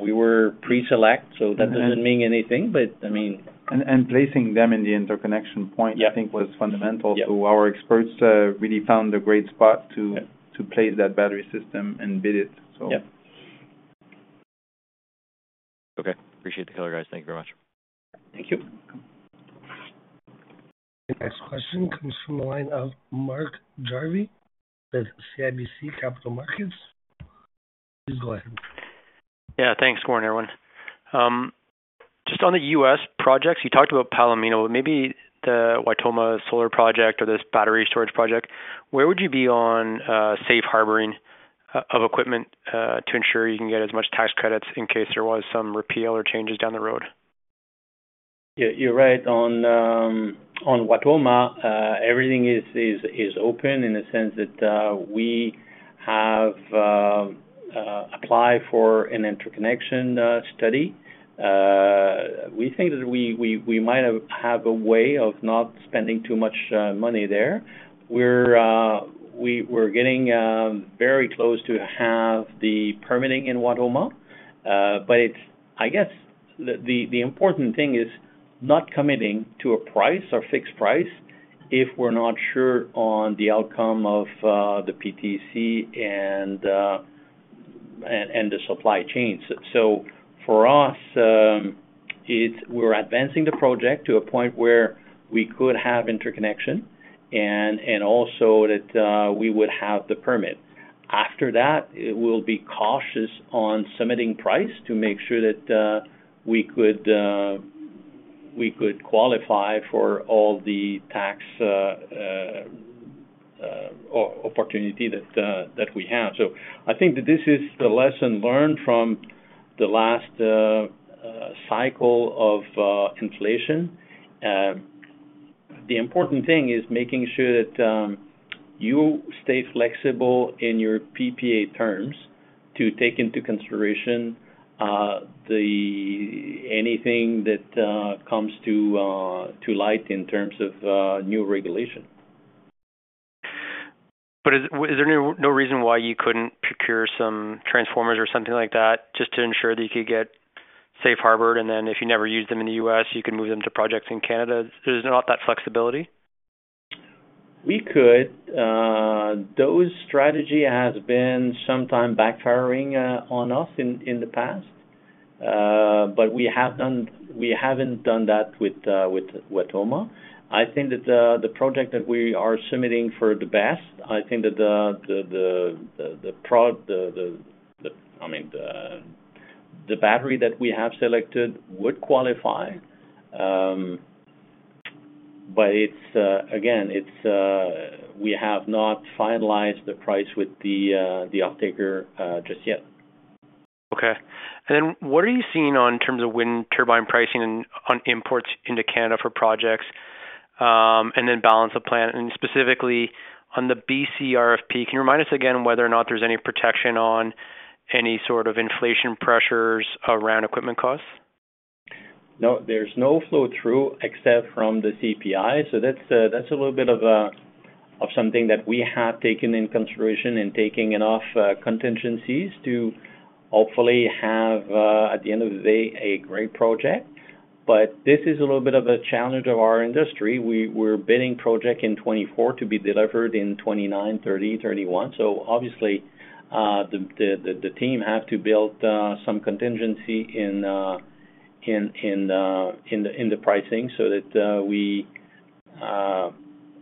we were pre-selected, so that doesn't mean anything. But I mean, and placing them in the interconnection point, I think, was fundamental. So our experts really found a great spot to place that battery system and bid it, so. Yep. Okay. Appreciate the color, guys. Thank you very much. Thank you. The next question comes from the line of Mark Jarvi with CIBC Capital Markets. Please go ahead. Yeah. Thanks, Good morning, everyone. Just on the US projects, you talked about Palomino, but maybe the Wautoma solar project or this battery storage project, where would you be on safe harboring of equipment to ensure you can get as much tax credits in case there was some repeal or changes down the road? Yeah. You're right. On Wautoma, everything is open in the sense that we have applied for an interconnection study. We think that we might have a way of not spending too much money there. We're getting very close to have the permitting in Wautoma. But I guess the important thing is not committing to a price or fixed price if we're not sure on the outcome of the PTC and the supply chains. So for us, we're advancing the project to a point where we could have interconnection and also that we would have the permit. After that, we'll be cautious on submitting price to make sure that we could qualify for all the tax opportunity that we have. So I think that this is the lesson learned from the last cycle of inflation. The important thing is making sure that you stay flexible in your PPA terms to take into consideration anything that comes to light in terms of new regulation. But is there no reason why you couldn't procure some transformers or something like that just to ensure that you could get safe-harbored? And then if you never use them in the U.S., you can move them to projects in Canada. There's not that flexibility? We could. Those strategies have been sometimes backfiring on us in the past. We haven't done that with Wautoma. I think that the project that we are submitting for the BESS. I mean, the battery that we have selected would qualify. But again, we have not finalized the price with the offtaker just yet. Okay. And then what are you seeing in terms of wind turbine pricing on imports into Canada for projects and then balance of plant? And specifically on the BC RFP, can you remind us again whether or not there's any protection on any sort of inflation pressures around equipment costs? No, there's no flow-through except from the CPI. So that's a little bit of something that we have taken into consideration and taking enough contingencies to hopefully have, at the end of the day, a great project. But this is a little bit of a challenge of our industry. We're bidding projects in 2024 to be delivered in 2029, 2030, 2031. So obviously, the team has to build some contingency in the pricing so that we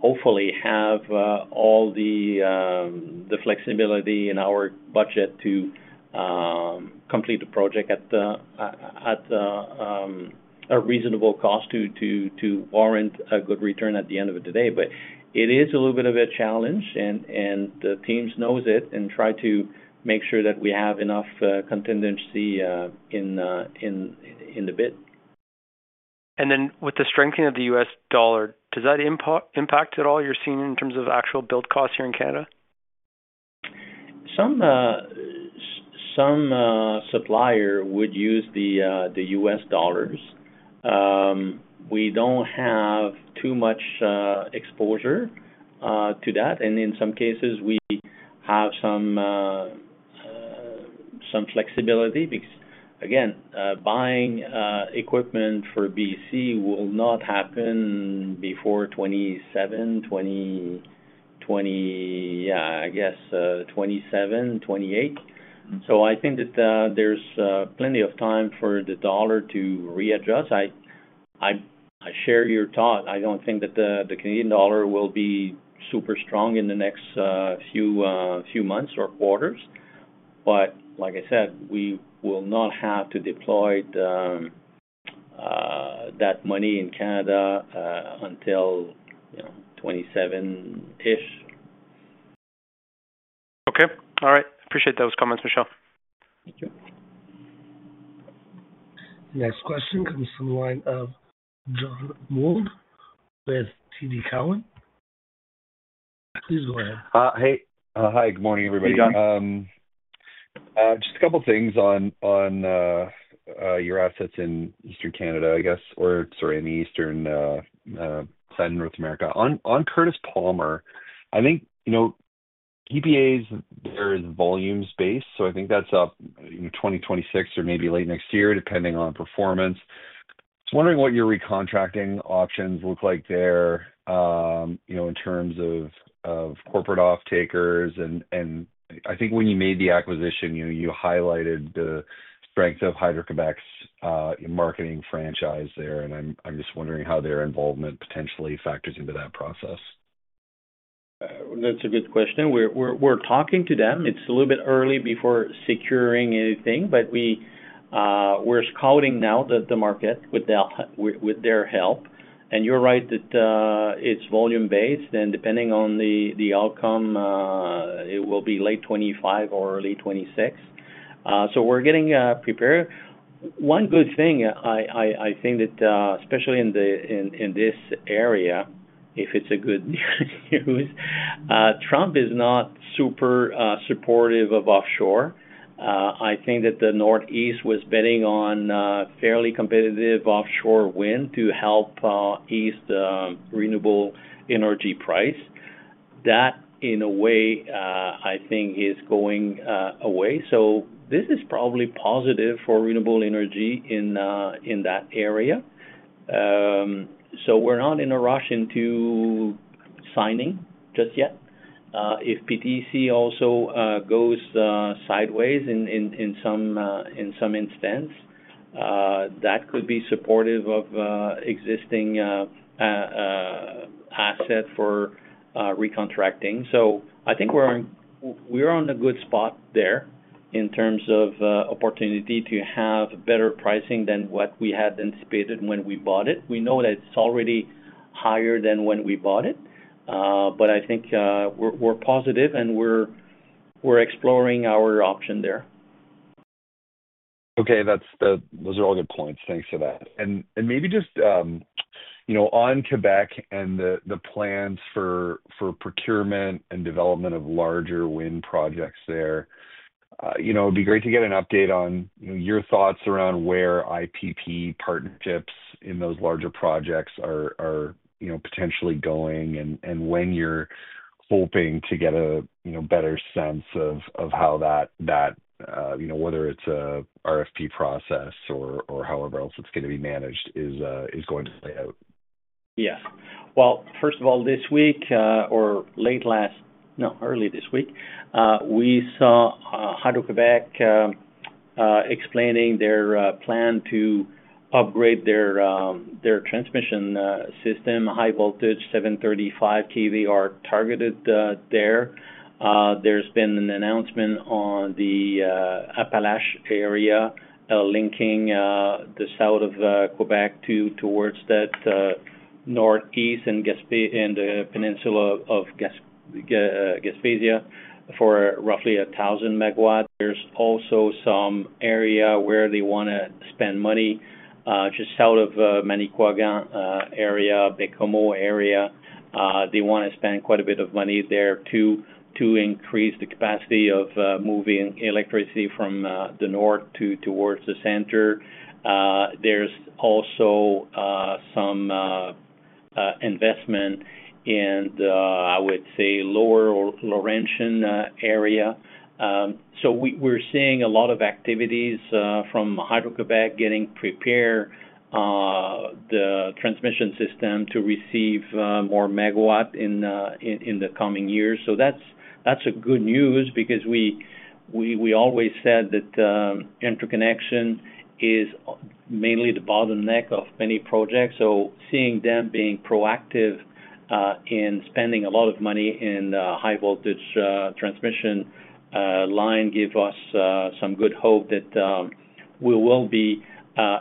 hopefully have all the flexibility in our budget to complete the project at a reasonable cost to warrant a good return at the end of the day. But it is a little bit of a challenge, and the teams know it and try to make sure that we have enough contingency in the bid. And then with the strengthening of the U.S. dollar, does that impact at all you're seeing in terms of actual build costs here in Canada? Some supplier would use the U.S. dollars. We don't have too much exposure to that. And in some cases, we have some flexibility because, again, buying equipment for BC will not happen before 2027, 2028. So I think that there's plenty of time for the dollar to readjust. I share your thought. I don't think that the Canadian dollar will be super strong in the next few months or quarters. But like I said, we will not have to deploy that money in Canada until 2027-ish. Okay. All right. Appreciate those comments, Michel. The next question comes from the line of John Mould with TD Cowen. Please go ahead. Hey. Hi. Good morning, everybody. Just a couple of things on your assets in Eastern Canada, I guess, or sorry, in the Eastern side of North America. On Curtis Palmer, I think PPAs there is volume space. So I think that's up in 2026 or maybe late next year, depending on performance. I was wondering what your recontracting options look like there in terms of corporate offtakers. I think when you made the acquisition, you highlighted the strength of Hydro-Québec's marketing franchise there. I'm just wondering how their involvement potentially factors into that process. That's a good question. We're talking to them. It's a little bit early before securing anything, but we're scouting now the market with their help. You're right that it's volume-based. Depending on the outcome, it will be late 2025 or early 2026. We're getting prepared. One good thing, I think, that especially in this area, if it's good news, Trump is not super supportive of offshore. I think that the Northeast was betting on fairly competitive offshore wind to help ease the renewable energy price. That, in a way, I think, is going away. This is probably positive for renewable energy in that area. We're not in a rush into signing just yet. If PTC also goes sideways in some instance, that could be supportive of existing assets for recontracting. So I think we're on a good spot there in terms of opportunity to have better pricing than what we had anticipated when we bought it. We know that it's already higher than when we bought it. But I think we're positive, and we're exploring our option there. Okay. Those are all good points. Thanks for that. And maybe just on Quebec and the plans for procurement and development of larger wind projects there, it'd be great to get an update on your thoughts around where IPP partnerships in those larger projects are potentially going and when you're hoping to get a better sense of how that, whether it's an RFP process or however else it's going to be managed, is going to play out. Yeah, first of all, this week or late last—no, early this week, we saw Hydro-Québec explaining their plan to upgrade their transmission system, high voltage 735 kV targeted there. There's been an announcement on the Appalachia area linking the south of Québec towards that northeast and the peninsula of Gaspésie for roughly 1,000 megawatts. There's also some area where they want to spend money just south of Manicouagan area, Baie-Comeau area. They want to spend quite a bit of money there to increase the capacity of moving electricity from the north towards the center. There's also some investment in, I would say, lower Laurentian area. We're seeing a lot of activities from Hydro-Québec getting prepared the transmission system to receive more megawatts in the coming years. That's good news because we always said that interconnection is mainly the bottleneck of many projects. Seeing them being proactive in spending a lot of money in high voltage transmission line gives us some good hope that we will be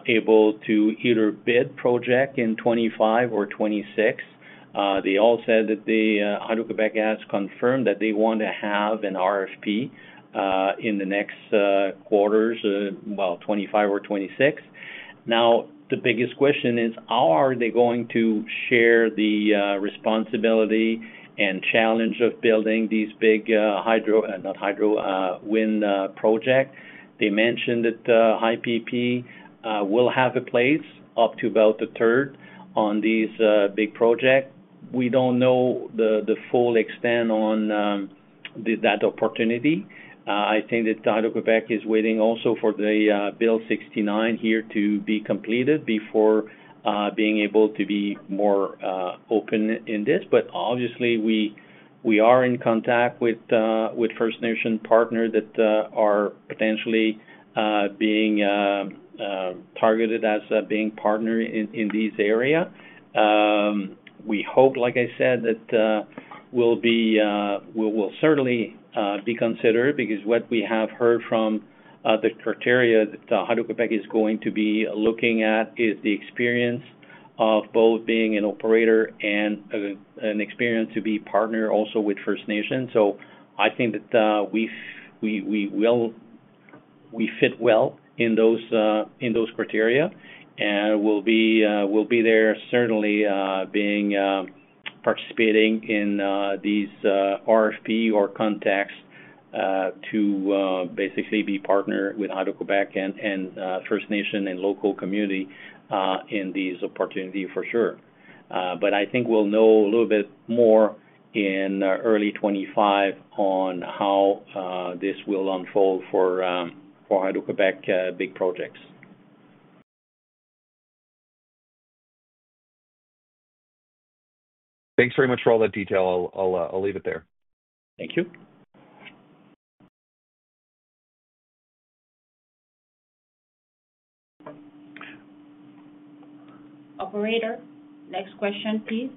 able to either bid project in 2025 or 2026. They all said that Hydro-Québec has confirmed that they want to have an RFP in the next quarters, well, 2025 or 2026. Now, the biggest question is, how are they going to share the responsibility and challenge of building these big hydro, not hydro, wind projects? They mentioned that IPP will have a place up to about a third on these big projects. We don't know the full extent on that opportunity. I think that Hydro-Québec is waiting also for the Bill 69 here to be completed before being able to be more open in this. But obviously, we are in contact with First Nation partners that are potentially being targeted as being partners in this area. We hope, like I said, that we'll certainly be considered because what we have heard from the criteria that Hydro-Québec is going to be looking at is the experience of both being an operator and an experience to be a partner also with First Nation. So I think that we fit well in those criteria and will be there certainly participating in these RFP or contracts to basically be a partner with Hydro-Québec and First Nation and local community in these opportunities for sure. But I think we'll know a little bit more in early 2025 on how this will unfold for Hydro-Québec big projects. Thanks very much for all that detail. I'll leave it there. Thank you. Operator. Next question, please.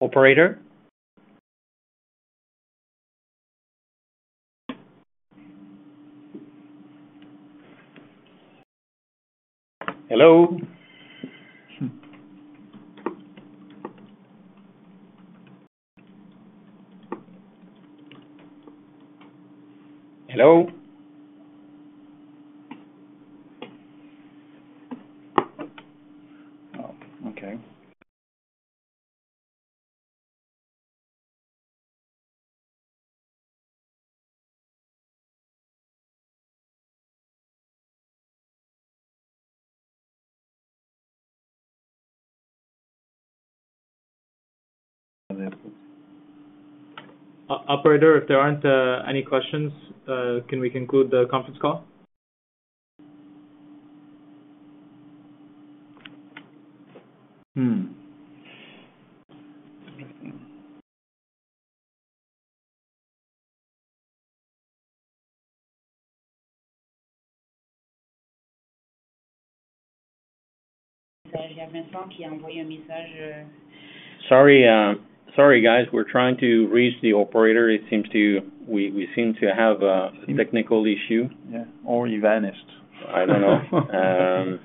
Operator. Hello. Hello. Okay. Operator, if there aren't any questions, can we conclude the conference call? Sorry, guys. We're trying to reach the operator. It seems we seem to have a technical issue. Yeah. Or he vanished. I don't know.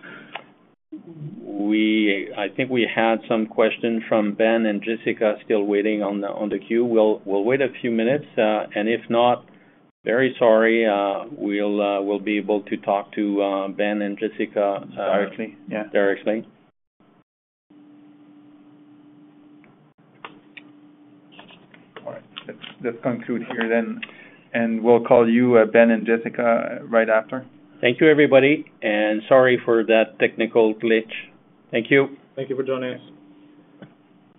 I think we had some questions from Ben and Jessica still waiting on the queue. We'll wait a few minutes. And if not, very sorry, we'll be able to talk to Ben and Jessica directly. Yeah. Directly. All right. Let's conclude here then. And we'll call you, Ben and Jessica, right after. Thank you, everybody. And sorry for that technical glitch. Thank you. Thank you for joining us.